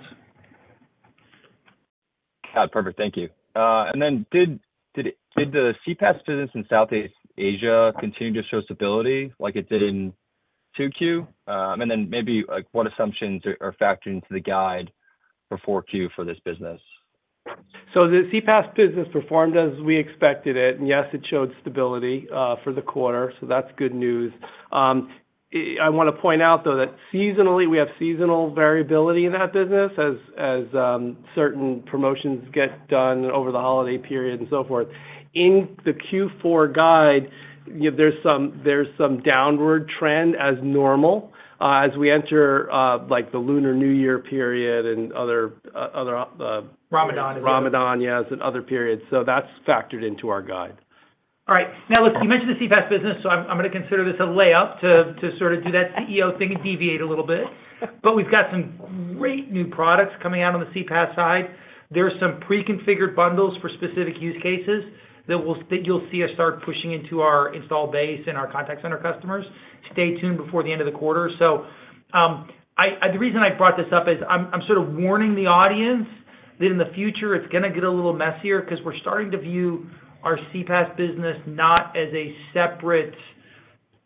Got it. Perfect. Thank you. And then did the CPaaS business in Southeast Asia continue to show stability like it did in Q2? And then maybe, like, what assumptions are factored into the guide for Q4 for this business? So the CPaaS business performed as we expected it, and yes, it showed stability for the quarter, so that's good news. I wanna point out, though, that seasonally, we have seasonal variability in that business as certain promotions get done over the holiday period and so forth. In the Q4 guide, you know, there's some downward trend as normal as we enter like the Lunar New Year period and other other. Ramadan. Ramadan, yes, and other periods. So that's factored into our guide. All right. Now, look, you mentioned the CPaaS business, so I'm gonna consider this a layup to sort of do that CEO thing and deviate a little bit. But we've got some great new products coming out on the CPaaS side. There are some pre-configured bundles for specific use cases that you'll see us start pushing into our install base and our contact center customers. Stay tuned before the end of the quarter. So, the reason I brought this up is I'm sort of warning the audience that in the future, it's gonna get a little messier because we're starting to view our CPaaS business not as a separate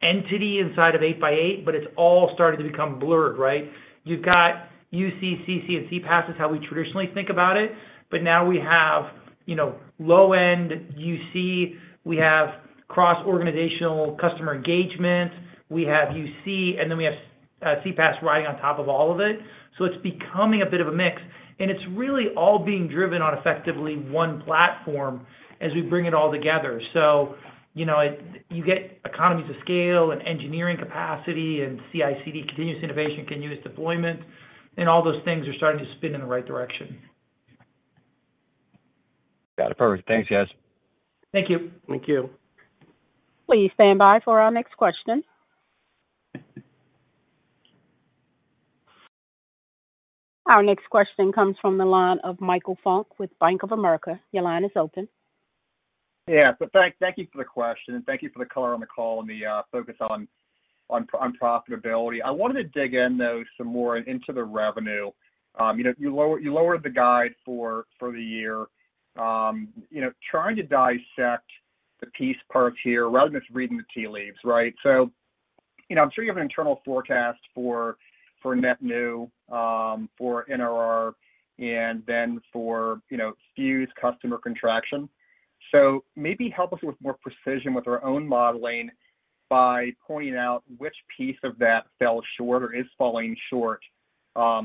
entity inside of 8x8, but it's all starting to become blurred, right? You've got UC, CC, and CPaaS is how we traditionally think about it, but now we have, you know, low-end UC, we have cross-organizational customer engagement, we have UC, and then we have CPaaS riding on top of all of it. So it's becoming a bit of a mix, and it's really all being driven on effectively one platform as we bring it all together. So, you know, you get economies of scale and engineering capacity and CI/CD, continuous innovation, continuous deployment, and all those things are starting to spin in the right direction. Got it. Perfect. Thanks, guys. Thank you. Thank you. Please stand by for our next question. Our next question comes from the line of Michael Funk with Bank of America. Your line is open. Yeah, so thank you for the question, and thank you for the color on the call and the focus on profitability. I wanted to dig in, though, some more into the revenue. You know, you lowered the guide for the year. You know, trying to dissect the piece parts here rather than just reading the tea leaves, right? So, you know, I'm sure you have an internal forecast for net new for NRR, and then for, you know, Fuze customer contraction. So maybe help us with more precision with our own modeling by pointing out which piece of that fell short or is falling short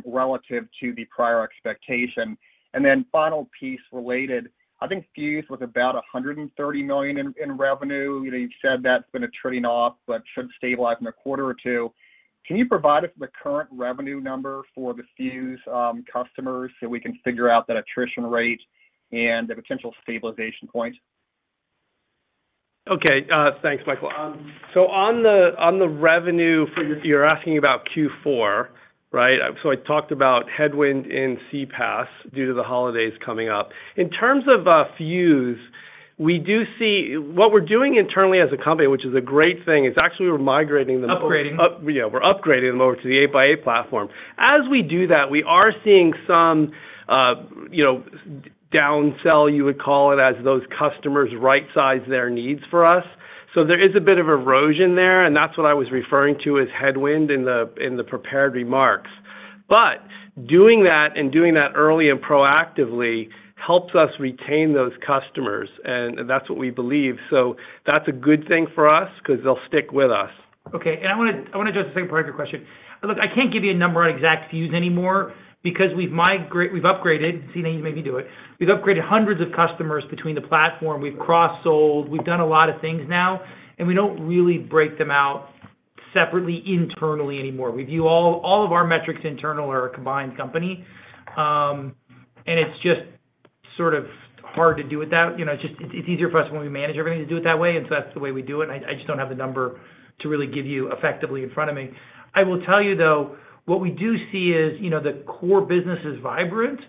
relative to the prior expectation. And then final piece related, I think Fuze was about $130 million in revenue. You know, you've said that's been attriting off, but should stabilize in a quarter or two. Can you provide us with the current revenue number for the Fuze customers, so we can figure out that attrition rate and the potential stabilization point? Okay, thanks, Michael. So on the revenue for—you're asking about Q4, right? So I talked about headwind in CPaaS due to the holidays coming up. In terms of Fuze, we do see—What we're doing internally as a company, which is a great thing, is actually we're migrating them- Upgrading. Yeah, we're upgrading them over to the 8x8 platform. As we do that, we are seeing some, you know, downsell, you would call it, as those customers right-size their needs for us. So there is a bit of erosion there, and that's what I was referring to as headwind in the prepared remarks. But doing that and doing that early and proactively helps us retain those customers, and that's what we believe. So that's a good thing for us 'cause they'll stick with us. Okay, and I wanna just the second part of your question. Look, I can't give you a number on exact Fuze anymore because we've upgraded, see, now you made me do it. We've upgraded hundreds of customers between the platform. We've cross-sold. We've done a lot of things now, and we don't really break them out separately internally anymore. We view all of our metrics internally as a combined company, and it's just sort of hard to do it that, you know, it's just easier for us when we manage everything to do it that way, and so that's the way we do it. I just don't have the number to really give you effectively in front of me. I will tell you, though, what we do see is, you know, the core business is vibrant.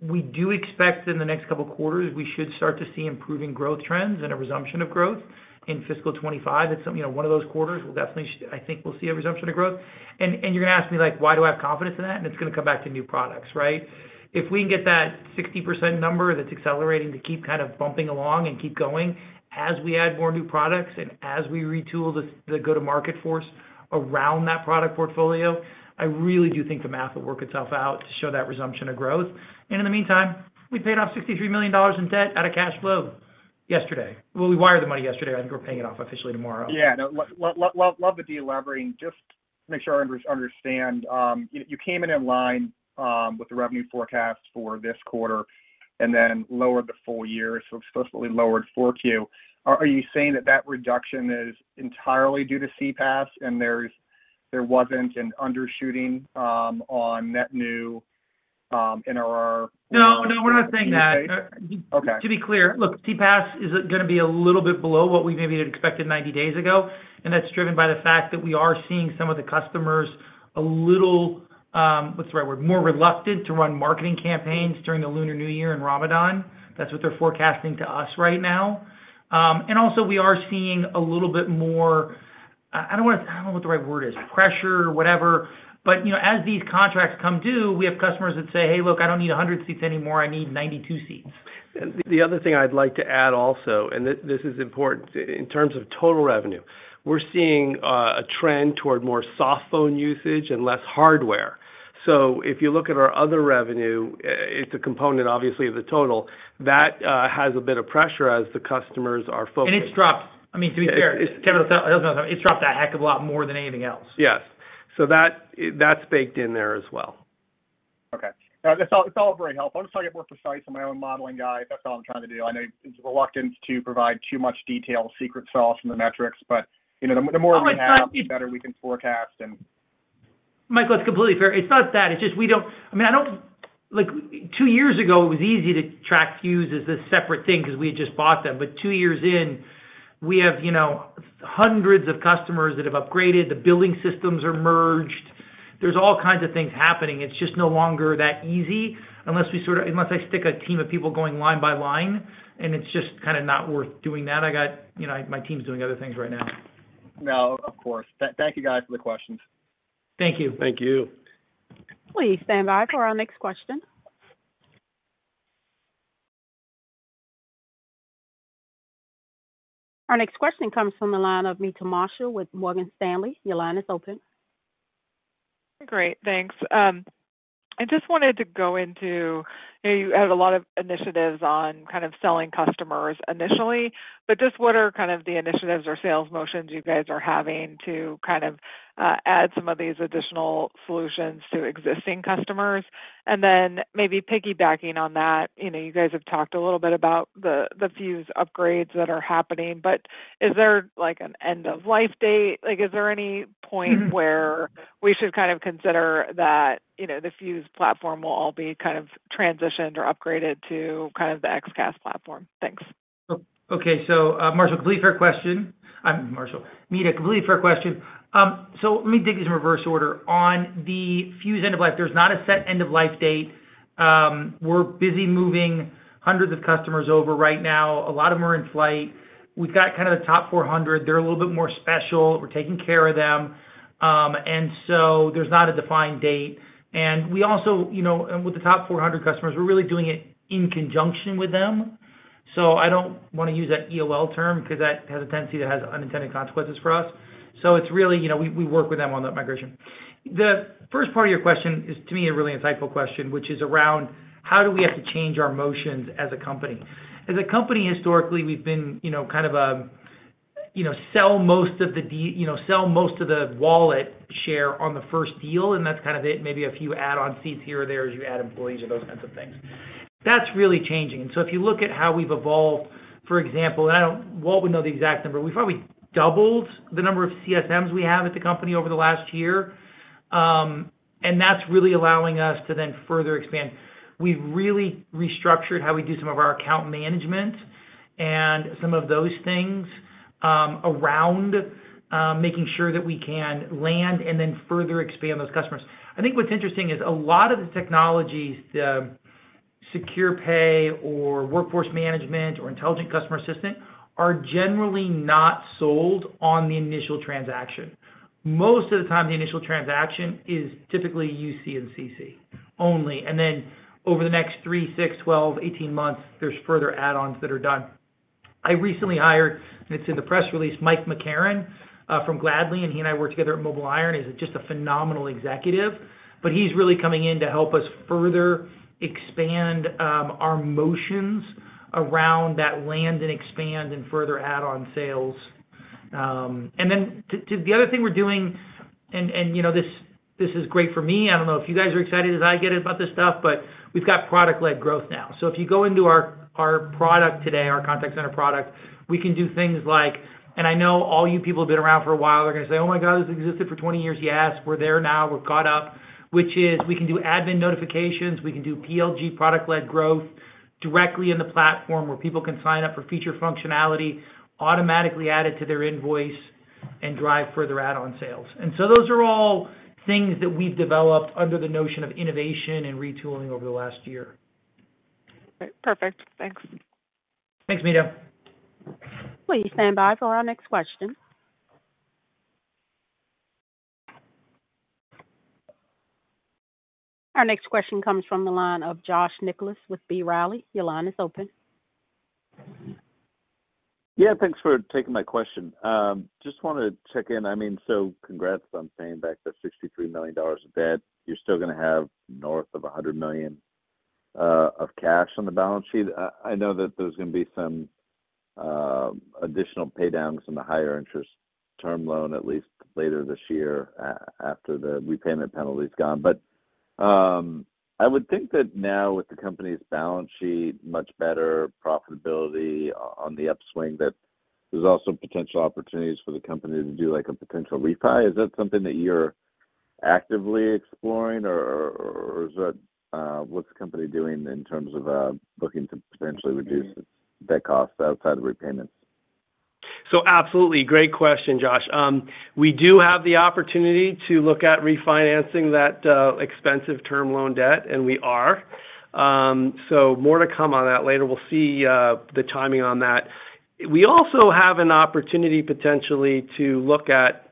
We do expect in the next couple of quarters, we should start to see improving growth trends and a resumption of growth in fiscal 2025. It's, you know, one of those quarters will definitely. I think we'll see a resumption of growth. And, and you're gonna ask me, like, why do I have confidence in that? And it's gonna come back to new products, right? If we can get that 60% number that's accelerating to keep kind of bumping along and keep going as we add more new products and as we retool the, the go-to-market force around that product portfolio, I really do think the math will work itself out to show that resumption of growth. And in the meantime, we paid off $63 million in debt out of cash flow yesterday. Well, we wired the money yesterday. I think we're paying it off officially tomorrow. Yeah. No, love the delevering. Just make sure I understand, you came in in line with the revenue forecast for this quarter and then lowered the full year, so explicitly lowered Q4. Are you saying that that reduction is entirely due to CPaaS, and there wasn't an undershooting on net new NRR? No, no, we're not saying that. Okay. To be clear, look, CPaaS is gonna be a little bit below what we maybe had expected 90 days ago, and that's driven by the fact that we are seeing some of the customers a little, what's the right word? More reluctant to run marketing campaigns during the Lunar New Year and Ramadan. That's what they're forecasting to us right now. And also we are seeing a little bit more, I don't want to- I don't know what the right word is, pressure, whatever. But, you know, as these contracts come due, we have customers that say, "Hey, look, I don't need 100 seats anymore. I need 92 seats. The other thing I'd like to add also, and this is important, in terms of total revenue, we're seeing a trend toward more softphone usage and less hardware. So if you look at our other revenue, it's a component, obviously, of the total. That has a bit of pressure as the customers are focused- It's dropped. I mean, to be fair, Kevin, it's dropped a heck of a lot more than anything else. Yes. So that, that's baked in there as well. Okay. No, it's all, it's all very helpful. I'm just trying to get more precise on my own modeling guide. That's all I'm trying to do. I know there's a reluctance to provide too much detail, secret sauce in the metrics, but, you know, the more we have, the better we can forecast and- Michael, it's completely fair. It's not that, it's just we don't—I mean, I don't—like, two years ago, it was easy to track Fuze as a separate thing because we had just bought them. But two years in, we have, you know, hundreds of customers that have upgraded, the billing systems are merged. There's all kinds of things happening. It's just no longer that easy unless we sort of—unless I stick a team of people going line by line, and it's just kinda not worth doing that. I got, you know, my team's doing other things right now. No, of course. Thank you guys for the questions. Thank you. Thank you. Please stand by for our next question. Our next question comes from the line of Meta Marshall with Morgan Stanley. Your line is open. Great, thanks. I just wanted to go into... You know, you have a lot of initiatives on kind of selling customers initially, but just what are kind of the initiatives or sales motions you guys are having to kind of add some of these additional solutions to existing customers? And then maybe piggybacking on that, you know, you guys have talked a little bit about the Fuze upgrades that are happening, but is there, like, an end of life date? Like, is there any point where we should kind of consider that, you know, the Fuze platform will all be kind of transitioned or upgraded to kind of the XCaaS platform? Thanks. Okay. So, Marshall, completely fair question. Marshall, Meta, completely fair question. So let me take this in reverse order. On the Fuze end of life, there's not a set end of life date. We're busy moving hundreds of customers over right now. A lot of them are in flight. We've got kinda the top 400. They're a little bit more special. We're taking care of them. And so there's not a defined date. And we also, you know, and with the top 400 customers, we're really doing it in conjunction with them. So I don't wanna use that EOL term, 'cause that has a tendency to have unintended consequences for us. So it's really, you know, we, we work with them on that migration. The first part of your question is, to me, a really insightful question, which is around: How do we have to change our motions as a company? As a company, historically, we've been, you know, kind of a, you know, sell most of the wallet share on the first deal, and that's kind of it, maybe a few add-on seats here or there as you add employees or those kinds of things. That's really changing. So if you look at how we've evolved, for example, I don't, Walt would know the exact number. We've probably doubled the number of CSMs we have at the company over the last year. And that's really allowing us to then further expand. We've really restructured how we do some of our account management and some of those things around making sure that we can land and then further expand those customers. I think what's interesting is a lot of the technologies, the Secure Pay or Workforce Management or Intelligent Customer Assistant, are generally not sold on the initial transaction. Most of the time, the initial transaction is typically UC and CC only. And then over the next three, six, 12, 18 months, there's further add-ons that are done. I recently hired, and it's in the press release, Mike McCarron from Gladly, and he and I worked together at MobileIron. He's just a phenomenal executive, but he's really coming in to help us further expand our motions around that land and expand and further add-on sales. And then to... The other thing we're doing, and you know, this is great for me. I don't know if you guys are excited as I get about this stuff, but we've got product-led growth now. So if you go into our product today, our contact center product, we can do things like, and I know all you people who've been around for a while are gonna say, "Oh, my God, this existed for 20 years." Yes, we're there now. We've caught up, which is, we can do admin notifications, we can do PLG, product-led growth, directly in the platform, where people can sign up for feature functionality, automatically add it to their invoice, and drive further add-on sales. And so those are all things that we've developed under the notion of innovation and retooling over the last year. Perfect. Thanks. Thanks, Meta. Please stand by for our next question. Our next question comes from the line of Josh Nichols with B. Riley. Your line is open. Yeah, thanks for taking my question. Just wanted to check in. I mean, so congrats on paying back the $63 million of debt. You're still gonna have north of $100 million of cash on the balance sheet. I know that there's gonna be some additional pay downs on the higher interest term loan, at least later this year, after the repayment penalty's gone. But I would think that now, with the company's balance sheet, much better profitability on the upswing, that there's also potential opportunities for the company to do, like, a potential refi. Is that something that you're actively exploring, or is that... What's the company doing in terms of looking to potentially reduce debt costs outside of repayments? So absolutely. Great question, Josh. We do have the opportunity to look at refinancing that expensive term loan debt, and we are. So more to come on that later. We'll see the timing on that. We also have an opportunity, potentially, to look at,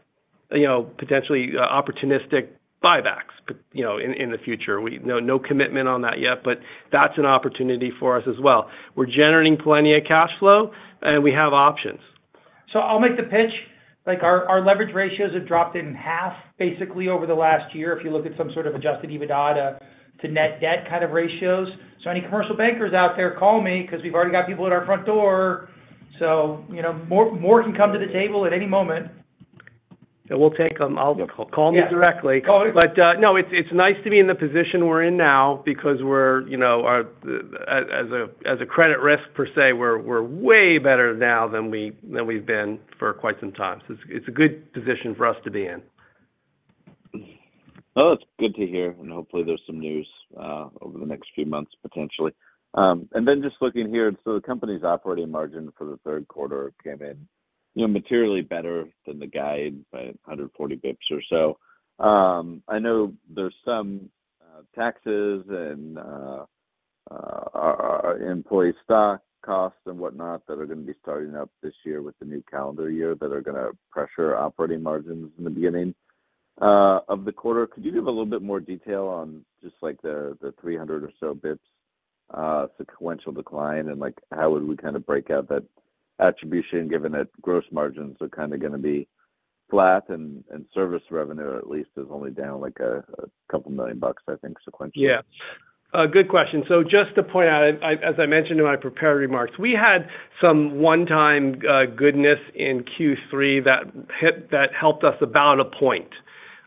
you know, potentially opportunistic buybacks, you know, in the future. No, no commitment on that yet, but that's an opportunity for us as well. We're generating plenty of cash flow, and we have options. I'll make the pitch. Like, our leverage ratios have dropped in half, basically, over the last year, if you look at some sort of adjusted EBITDA to net debt kind of ratios. So any commercial bankers out there, call me, 'cause we've already got people at our front door. So, you know, more can come to the table at any moment. We'll take them. I'll- Yeah. Call me directly. Call me. But no, it's nice to be in the position we're in now because we're, you know, as a credit risk, per se, we're way better now than we've been for quite some time. So it's a good position for us to be in. Well, it's good to hear, and hopefully there's some news over the next few months, potentially. And then just looking here, so the company's operating margin for the third quarter came in, you know, materially better than the guide by 140 basis points or so. I know there's some taxes and employee stock costs and whatnot that are gonna be starting up this year with the new calendar year, that are gonna pressure operating margins in the beginning.... of the quarter, could you give a little bit more detail on just like the, the 300 or so basis points, sequential decline? And like, how would we kind of break out that attribution, given that gross margins are kind of gonna be flat, and service revenue at least is only down like a couple million bucks, I think, sequentially? Yeah. A good question. So just to point out, I, as I mentioned in my prepared remarks, we had some one-time goodness in Q3 that helped us about a point.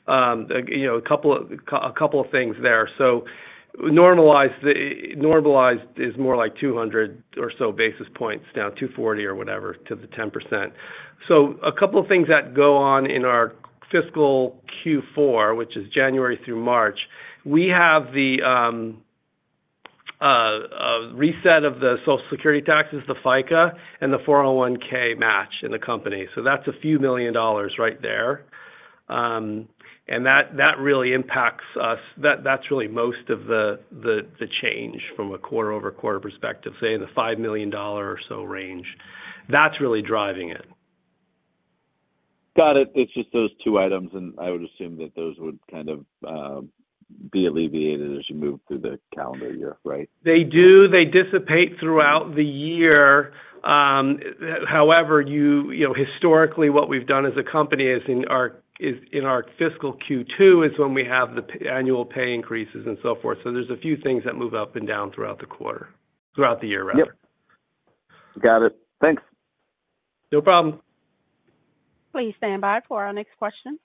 You know, a couple of things there. So normalized is more like 200 or so basis points, down 240 or whatever, to the 10%. So a couple of things that go on in our fiscal Q4, which is January through March, we have a reset of the Social Security taxes, the FICA, and the 401(k) match in the company. So that's $ a few million right there. And that really impacts us. That's really most of the change from a quarter-over-quarter perspective, say, in the $5 million or so range. That's really driving it. Got it. It's just those two items, and I would assume that those would kind of be alleviated as you move through the calendar year, right? They do. They dissipate throughout the year. However, you know, historically, what we've done as a company is in our fiscal Q2, is when we have the annual pay increases and so forth. So there's a few things that move up and down throughout the quarter, throughout the year, rather. Yep. Got it. Thanks. No problem. Please stand by for our next question.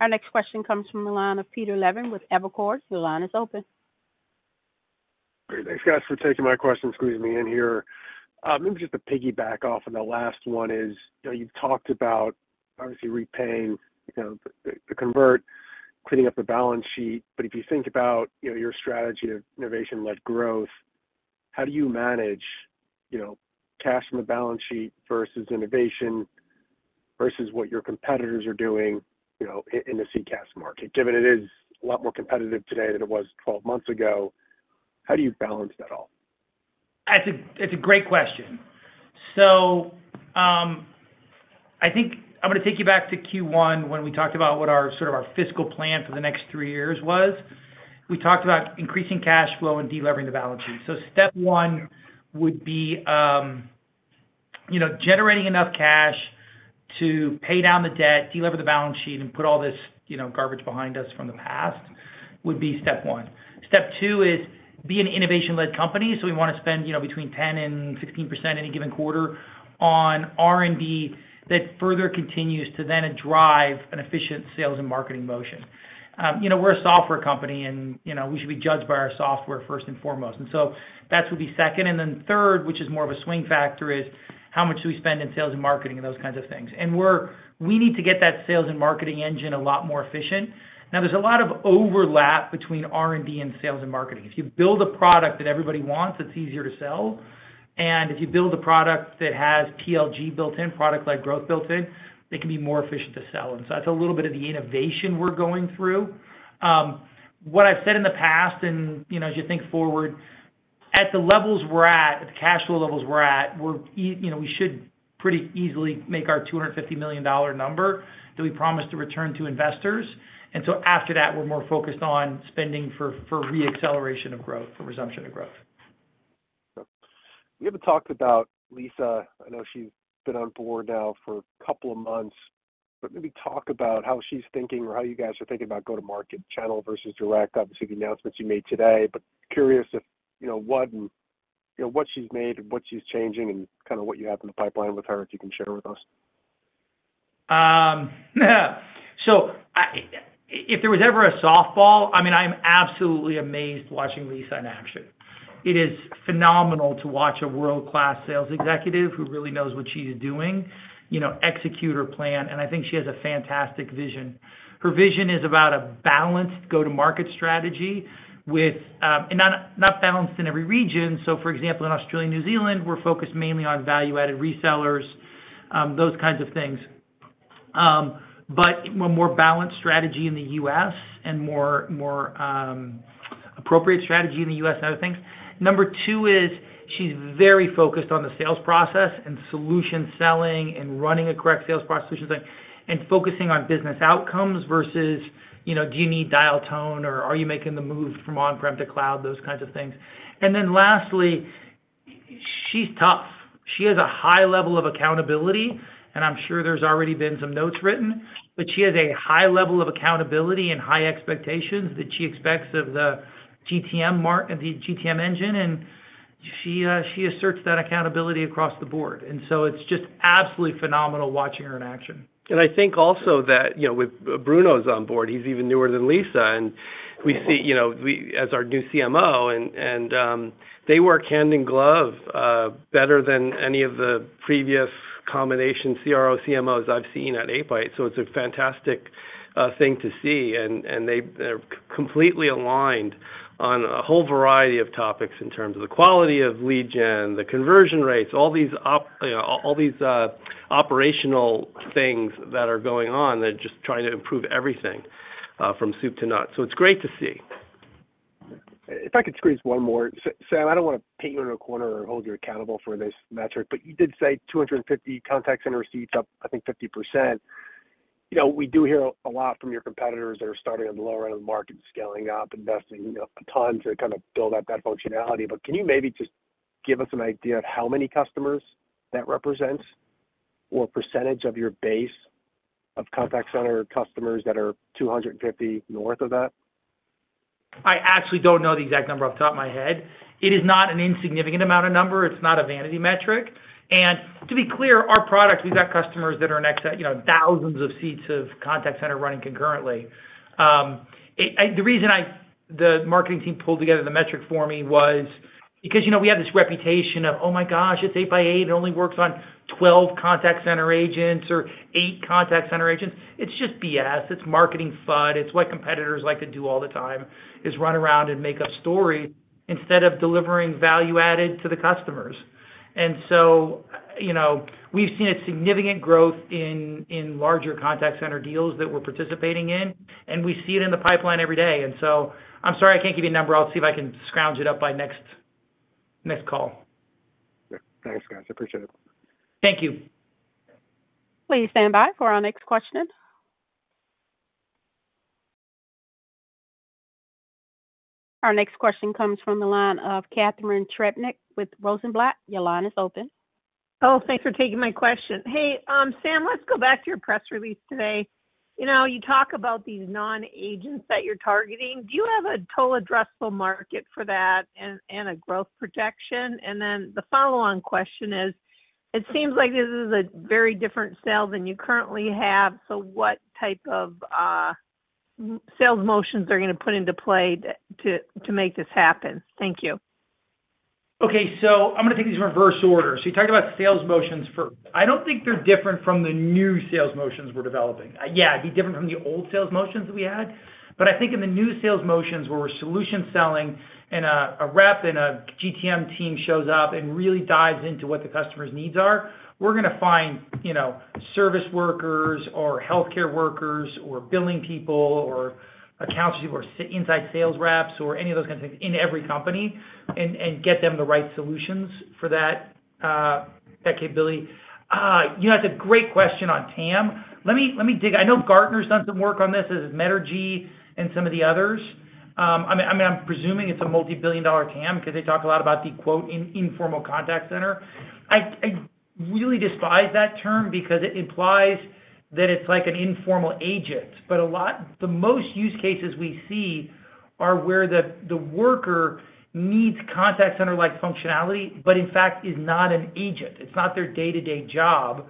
Our next question comes from the line of Peter Levine with Evercore. Your line is open. Great. Thanks, guys, for taking my question and squeezing me in here. Maybe just to piggyback off on the last one is, you know, you've talked about, obviously, repaying, you know, the convert, cleaning up the balance sheet. But if you think about, you know, your strategy of innovation-led growth, how do you manage, you know, cash on the balance sheet versus innovation, versus what your competitors are doing, you know, in the CCaaS market? Given it is a lot more competitive today than it was 12 months ago, how do you balance that all? That's it's a great question. So, I think I'm gonna take you back to Q1, when we talked about what our sort of our fiscal plan for the next three years was. We talked about increasing cash flow and delevering the balance sheet. So step one would be, you know, generating enough cash to pay down the debt, delever the balance sheet, and put all this, you know, garbage behind us from the past, would be step one. Step two is be an innovation-led company. So we wanna spend, you know, between 10% and 16%, any given quarter, on R&D, that further continues to then drive an efficient sales and marketing motion. You know, we're a software company, and, you know, we should be judged by our software first and foremost, and so that would be second. And then third, which is more of a swing factor, is how much do we spend in sales and marketing, and those kinds of things. And we need to get that sales and marketing engine a lot more efficient. Now, there's a lot of overlap between R&D and sales and marketing. If you build a product that everybody wants, it's easier to sell. And if you build a product that has PLG built in, product-led growth built in, it can be more efficient to sell. And so that's a little bit of the innovation we're going through. What I've said in the past, and, you know, as you think forward, at the levels we're at, at the cash flow levels we're at, we're you know, we should pretty easily make our $250 million number that we promised to return to investors. After that, we're more focused on spending for re-acceleration of growth, for resumption of growth. You haven't talked about Lisa. I know she's been on board now for a couple of months, but maybe talk about how she's thinking or how you guys are thinking about go-to-market channel versus direct. Obviously, the announcements you made today, but curious if, you know, what and, you know, what she's made and what she's changing and kind of what you have in the pipeline with her, if you can share with us. If there was ever a softball, I mean, I'm absolutely amazed watching Lisa in action. It is phenomenal to watch a world-class sales executive, who really knows what she is doing, you know, execute her plan, and I think she has a fantastic vision. Her vision is about a balanced go-to-market strategy with and not balanced in every region. So, for example, in Australia and New Zealand, we're focused mainly on value-added resellers, those kinds of things. But a more balanced strategy in the U.S. and more appropriate strategy in the U.S. and other things. Number two is, she's very focused on the sales process and solution selling and running a correct sales process, she's like, and focusing on business outcomes versus, you know, do you need dial tone, or are you making the move from on-prem to cloud? Those kinds of things. And then lastly, she's tough. She has a high level of accountability, and I'm sure there's already been some notes written, but she has a high level of accountability and high expectations that she expects of the GTM engine, and she, she asserts that accountability across the board. And so it's just absolutely phenomenal watching her in action. And I think also that, you know, with Bruno's on board, he's even newer than Lisa, and we see you know, we as our new CMO, and they work hand in glove better than any of the previous combination CRO, CMOs I've seen at 8x8. So it's a fantastic thing to see. And they, they're completely aligned on a whole variety of topics in terms of the quality of lead gen, the conversion rates, all these operational things that are going on. They're just trying to improve everything from soup to nuts. So it's great to see. ... If I could squeeze one more. Sam, I don't wanna paint you into a corner or hold you accountable for this metric, but you did say 250 contact center seats up, I think, 50%. You know, we do hear a lot from your competitors that are starting on the lower end of the market, scaling up, investing, you know, a ton to kind of build up that functionality. But can you maybe just give us an idea of how many customers that represents or percentage of your base of contact center customers that are 250 north of that? I actually don't know the exact number off the top of my head. It is not an insignificant amount of number. It's not a vanity metric. And to be clear, our product, we've got customers that are in excess-- you know, thousands of seats of contact center running concurrently. It, the reason I, the marketing team, pulled together the metric for me was because, you know, we have this reputation of, "Oh, my gosh, it's 8x8. It only works on 12 contact center agents or eight contact center agents." It's just BS. It's marketing FUD. It's what competitors like to do all the time, is run around and make a story instead of delivering value added to the customers. So, you know, we've seen a significant growth in larger contact center deals that we're participating in, and we see it in the pipeline every day. I'm sorry, I can't give you a number. I'll see if I can scrounge it up by next call. Thanks, guys. I appreciate it. Thank you. Please stand by for our next question. Our next question comes from the line of Catherine Trebnick with Rosenblatt. Your line is open. Oh, thanks for taking my question. Hey, Sam, let's go back to your press release today. You know, you talk about these non-agents that you're targeting. Do you have a total addressable market for that and a growth projection? And then the follow-on question is: It seems like this is a very different sale than you currently have, so what type of sales motions are you gonna put into play to make this happen? Thank you. Okay, so I'm gonna take these in reverse order. So you talked about sales motions first. I don't think they're different from the new sales motions we're developing. Yeah, it'd be different from the old sales motions that we had, but I think in the new sales motions, where we're solution selling and a rep and a GTM team shows up and really dives into what the customer's needs are, we're gonna find, you know, service workers or healthcare workers or billing people or accounts people or inside sales reps or any of those kinds of things in every company and get them the right solutions for that capability. You know, that's a great question on TAM. Let me dig. I know Gartner's done some work on this, as has Metrigy and some of the others. I mean, I'm presuming it's a multi-billion dollar TAM because they talk a lot about the quote, "informal contact center." I really despise that term because it implies that it's like an informal agent, but a lot, the most use cases we see are where the worker needs contact center-like functionality, but in fact, is not an agent. It's not their day-to-day job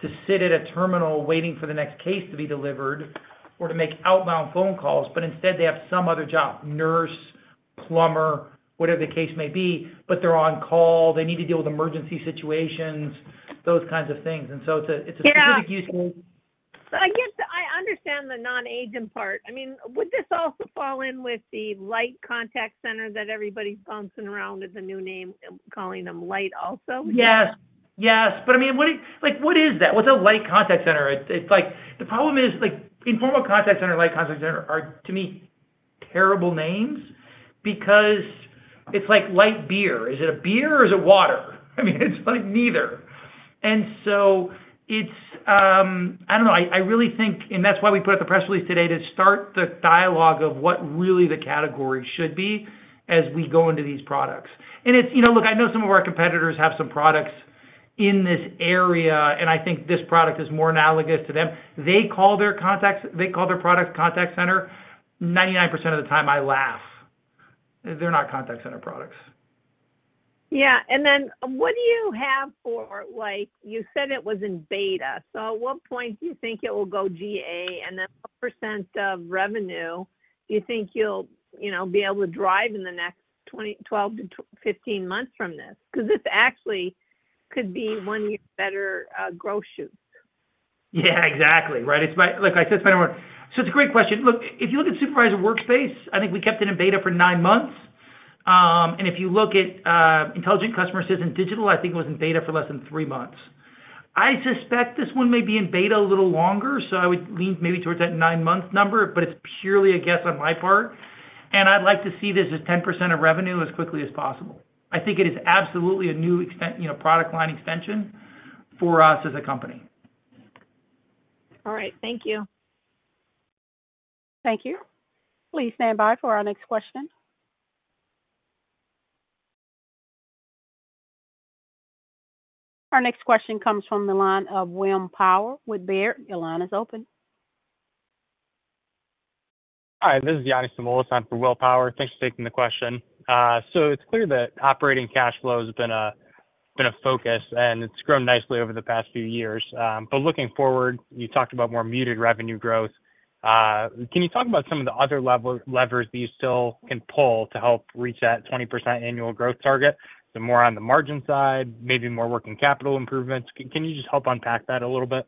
to sit at a terminal waiting for the next case to be delivered or to make outbound phone calls, but instead, they have some other job, nurse, plumber, whatever the case may be, but they're on call. They need to deal with emergency situations, those kinds of things. And so it's a specific use case. Yeah. I get that. I understand the non-agent part. I mean, would this also fall in with the light contact center that everybody's bouncing around as a new name and calling them light also? Yes. Yes, but I mean, what is, like, what is that? What's a light contact center? It's, it's like, the problem is, like, informal contact center, light contact center are, to me, terrible names because it's like light beer. Is it a beer or is it water? I mean, it's like neither. And so it's... I don't know. I, I really think, and that's why we put out the press release today, to start the dialogue of what really the category should be as we go into these products. And it's, you know, look, I know some of our competitors have some products in this area, and I think this product is more analogous to them. They call their contacts, they call their product contact center. 99% of the time I laugh, because they're not contact center products. Yeah, and then what do you have for, like, you said it was in beta, so at what point do you think it will go GA? And then what percent of revenue do you think you'll, you know, be able to drive in the next 12-15 months from this? Because this actually could be one of your better growth shoots. Yeah, exactly. Right. Look, like I said, it's a great question. Look, if you look at Supervisor Workspace, I think we kept it in beta for nine months. And if you look at Intelligent Customer Assistant Digital, I think it was in beta for less than three months. I suspect this one may be in beta a little longer, so I would lean maybe towards that nine-month number, but it's purely a guess on my part, and I'd like to see this as 10% of revenue as quickly as possible. I think it is absolutely a new extension, you know, product line extension for us as a company. All right. Thank you. Thank you. Please stand by for our next question. Our next question comes from the line of William Power with Baird. Your line is open. Hi, this is Yannis Simoulis in for Will Power. Thanks for taking the question. So it's clear that operating cash flow has been a focus, and it's grown nicely over the past few years. But looking forward, you talked about more muted revenue growth. Can you talk about some of the other levers that you still can pull to help reach that 20% annual growth target? The more on the margin side, maybe more working capital improvements. Can you just help unpack that a little bit?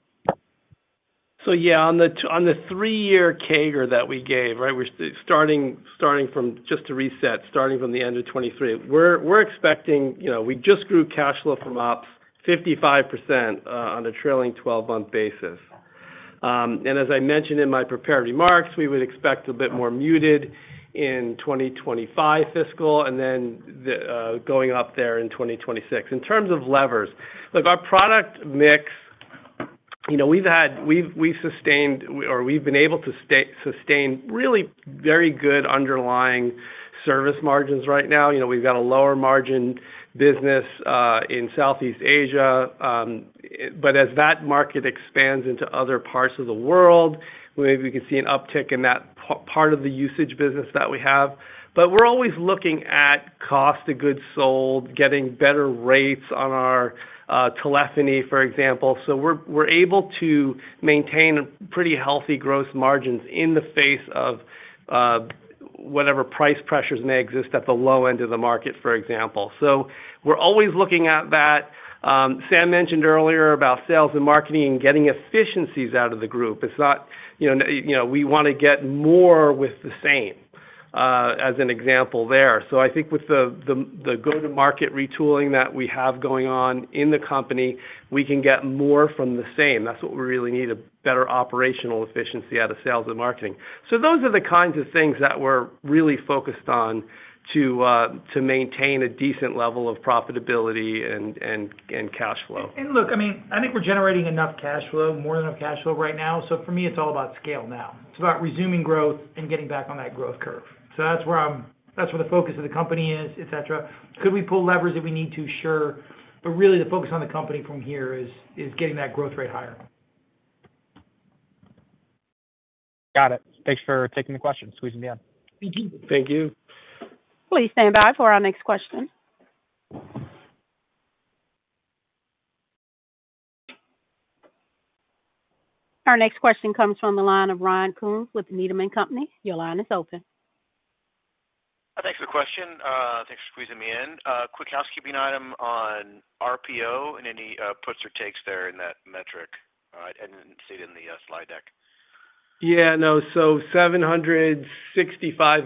So yeah, on the three-year CAGR that we gave, right, we're starting from, just to reset, starting from the end of 2023. We're expecting, you know, we just grew cash flow from ops 55% on a trailing-12-month basis.... and as I mentioned in my prepared remarks, we would expect a bit more muted in 2025 fiscal, and then the going up there in 2026. In terms of levers, look, our product mix, you know, we've sustained or we've been able to sustain really very good underlying service margins right now. You know, we've got a lower margin business in Southeast Asia, but as that market expands into other parts of the world, maybe we can see an uptick in that part of the usage business that we have. But we're always looking at cost of goods sold, getting better rates on our telephony, for example. So we're able to maintain pretty healthy growth margins in the face of whatever price pressures may exist at the low end of the market, for example. So we're always looking at that. Sam mentioned earlier about sales and marketing and getting efficiencies out of the group. It's not, you know, you know, we wanna get more with the same, as an example there. So I think with the go-to-market retooling that we have going on in the company, we can get more from the same. That's what we really need, a better operational efficiency out of sales and marketing. So those are the kinds of things that we're really focused on to maintain a decent level of profitability and cash flow. And look, I mean, I think we're generating enough cash flow, more than enough cash flow right now. So for me, it's all about scale now. It's about resuming growth and getting back on that growth curve. So that's where I'm, that's where the focus of the company is, et cetera. Could we pull levers if we need to? Sure. But really, the focus on the company from here is getting that growth rate higher. Got it. Thanks for taking the question. Squeezing me in. Thank you. Thank you. Please stand by for our next question. Our next question comes from the line of Ryan Koontz with Needham and Company. Your line is open. Thanks for the question. Thanks for squeezing me in. Quick housekeeping item on RPO and any, puts or takes there in that metric. I didn't see it in the, slide deck. Yeah, no. So $765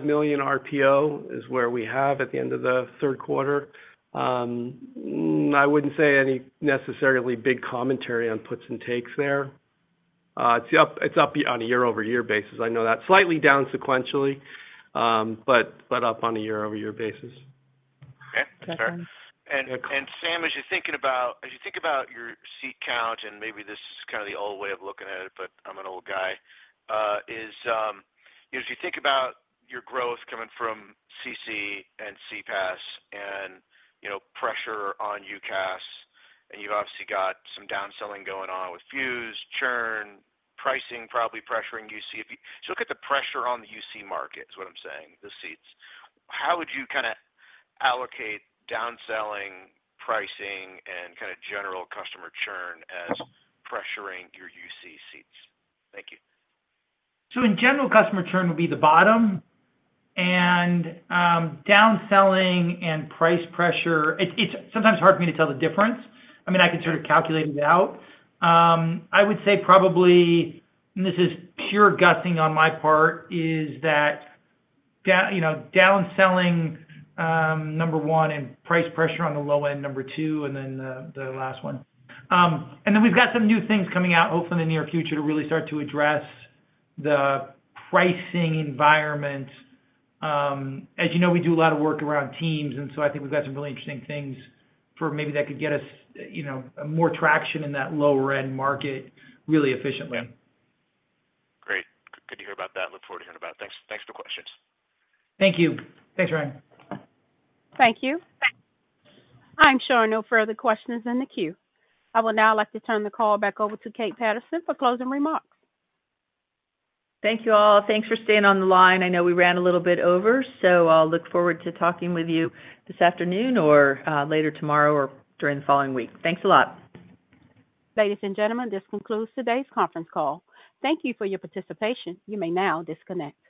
million RPO is where we have at the end of the third quarter. I wouldn't say any necessarily big commentary on puts and takes there. It's up, it's up on a year-over-year basis. I know that's slightly down sequentially, but up on a year-over-year basis. Okay, that's fair. Next one. Sam, as you think about your seat count, and maybe this is kind of the old way of looking at it, but I'm an old guy, you know, as you think about your growth coming from CC and CPaaS and, you know, pressure on UCaaS, and you've obviously got some downselling going on with Fuze, churn, pricing, probably pressuring UC. So look at the pressure on the UC market, is what I'm saying, the seats. How would you kinda allocate downselling, pricing, and kinda general customer churn as pressuring your UC seats? Thank you. So in general, customer churn would be the bottom. And, downselling and price pressure, it's, it's sometimes hard for me to tell the difference. I mean, I can sort of calculate it out. I would say probably, and this is pure guessing on my part, is that down, you know, downselling, number one, and price pressure on the low end, number two, and then the, the last one. And then we've got some new things coming out, hopefully, in the near future to really start to address the pricing environment. As you know, we do a lot of work around Teams, and so I think we've got some really interesting things for maybe that could get us, you know, more traction in that lower-end market really efficiently. Great. Good to hear about that. Look forward to hearing about it. Thanks. Thanks for the questions. Thank you. Thanks, Ryan. Thank you. I'm showing no further questions in the queue. I will now like to turn the call back over to Kate Patterson for closing remarks. Thank you, all. Thanks for staying on the line. I know we ran a little bit over, so I'll look forward to talking with you this afternoon or later tomorrow or during the following week. Thanks a lot. Ladies and gentlemen, this concludes today's conference call. Thank you for your participation. You may now disconnect.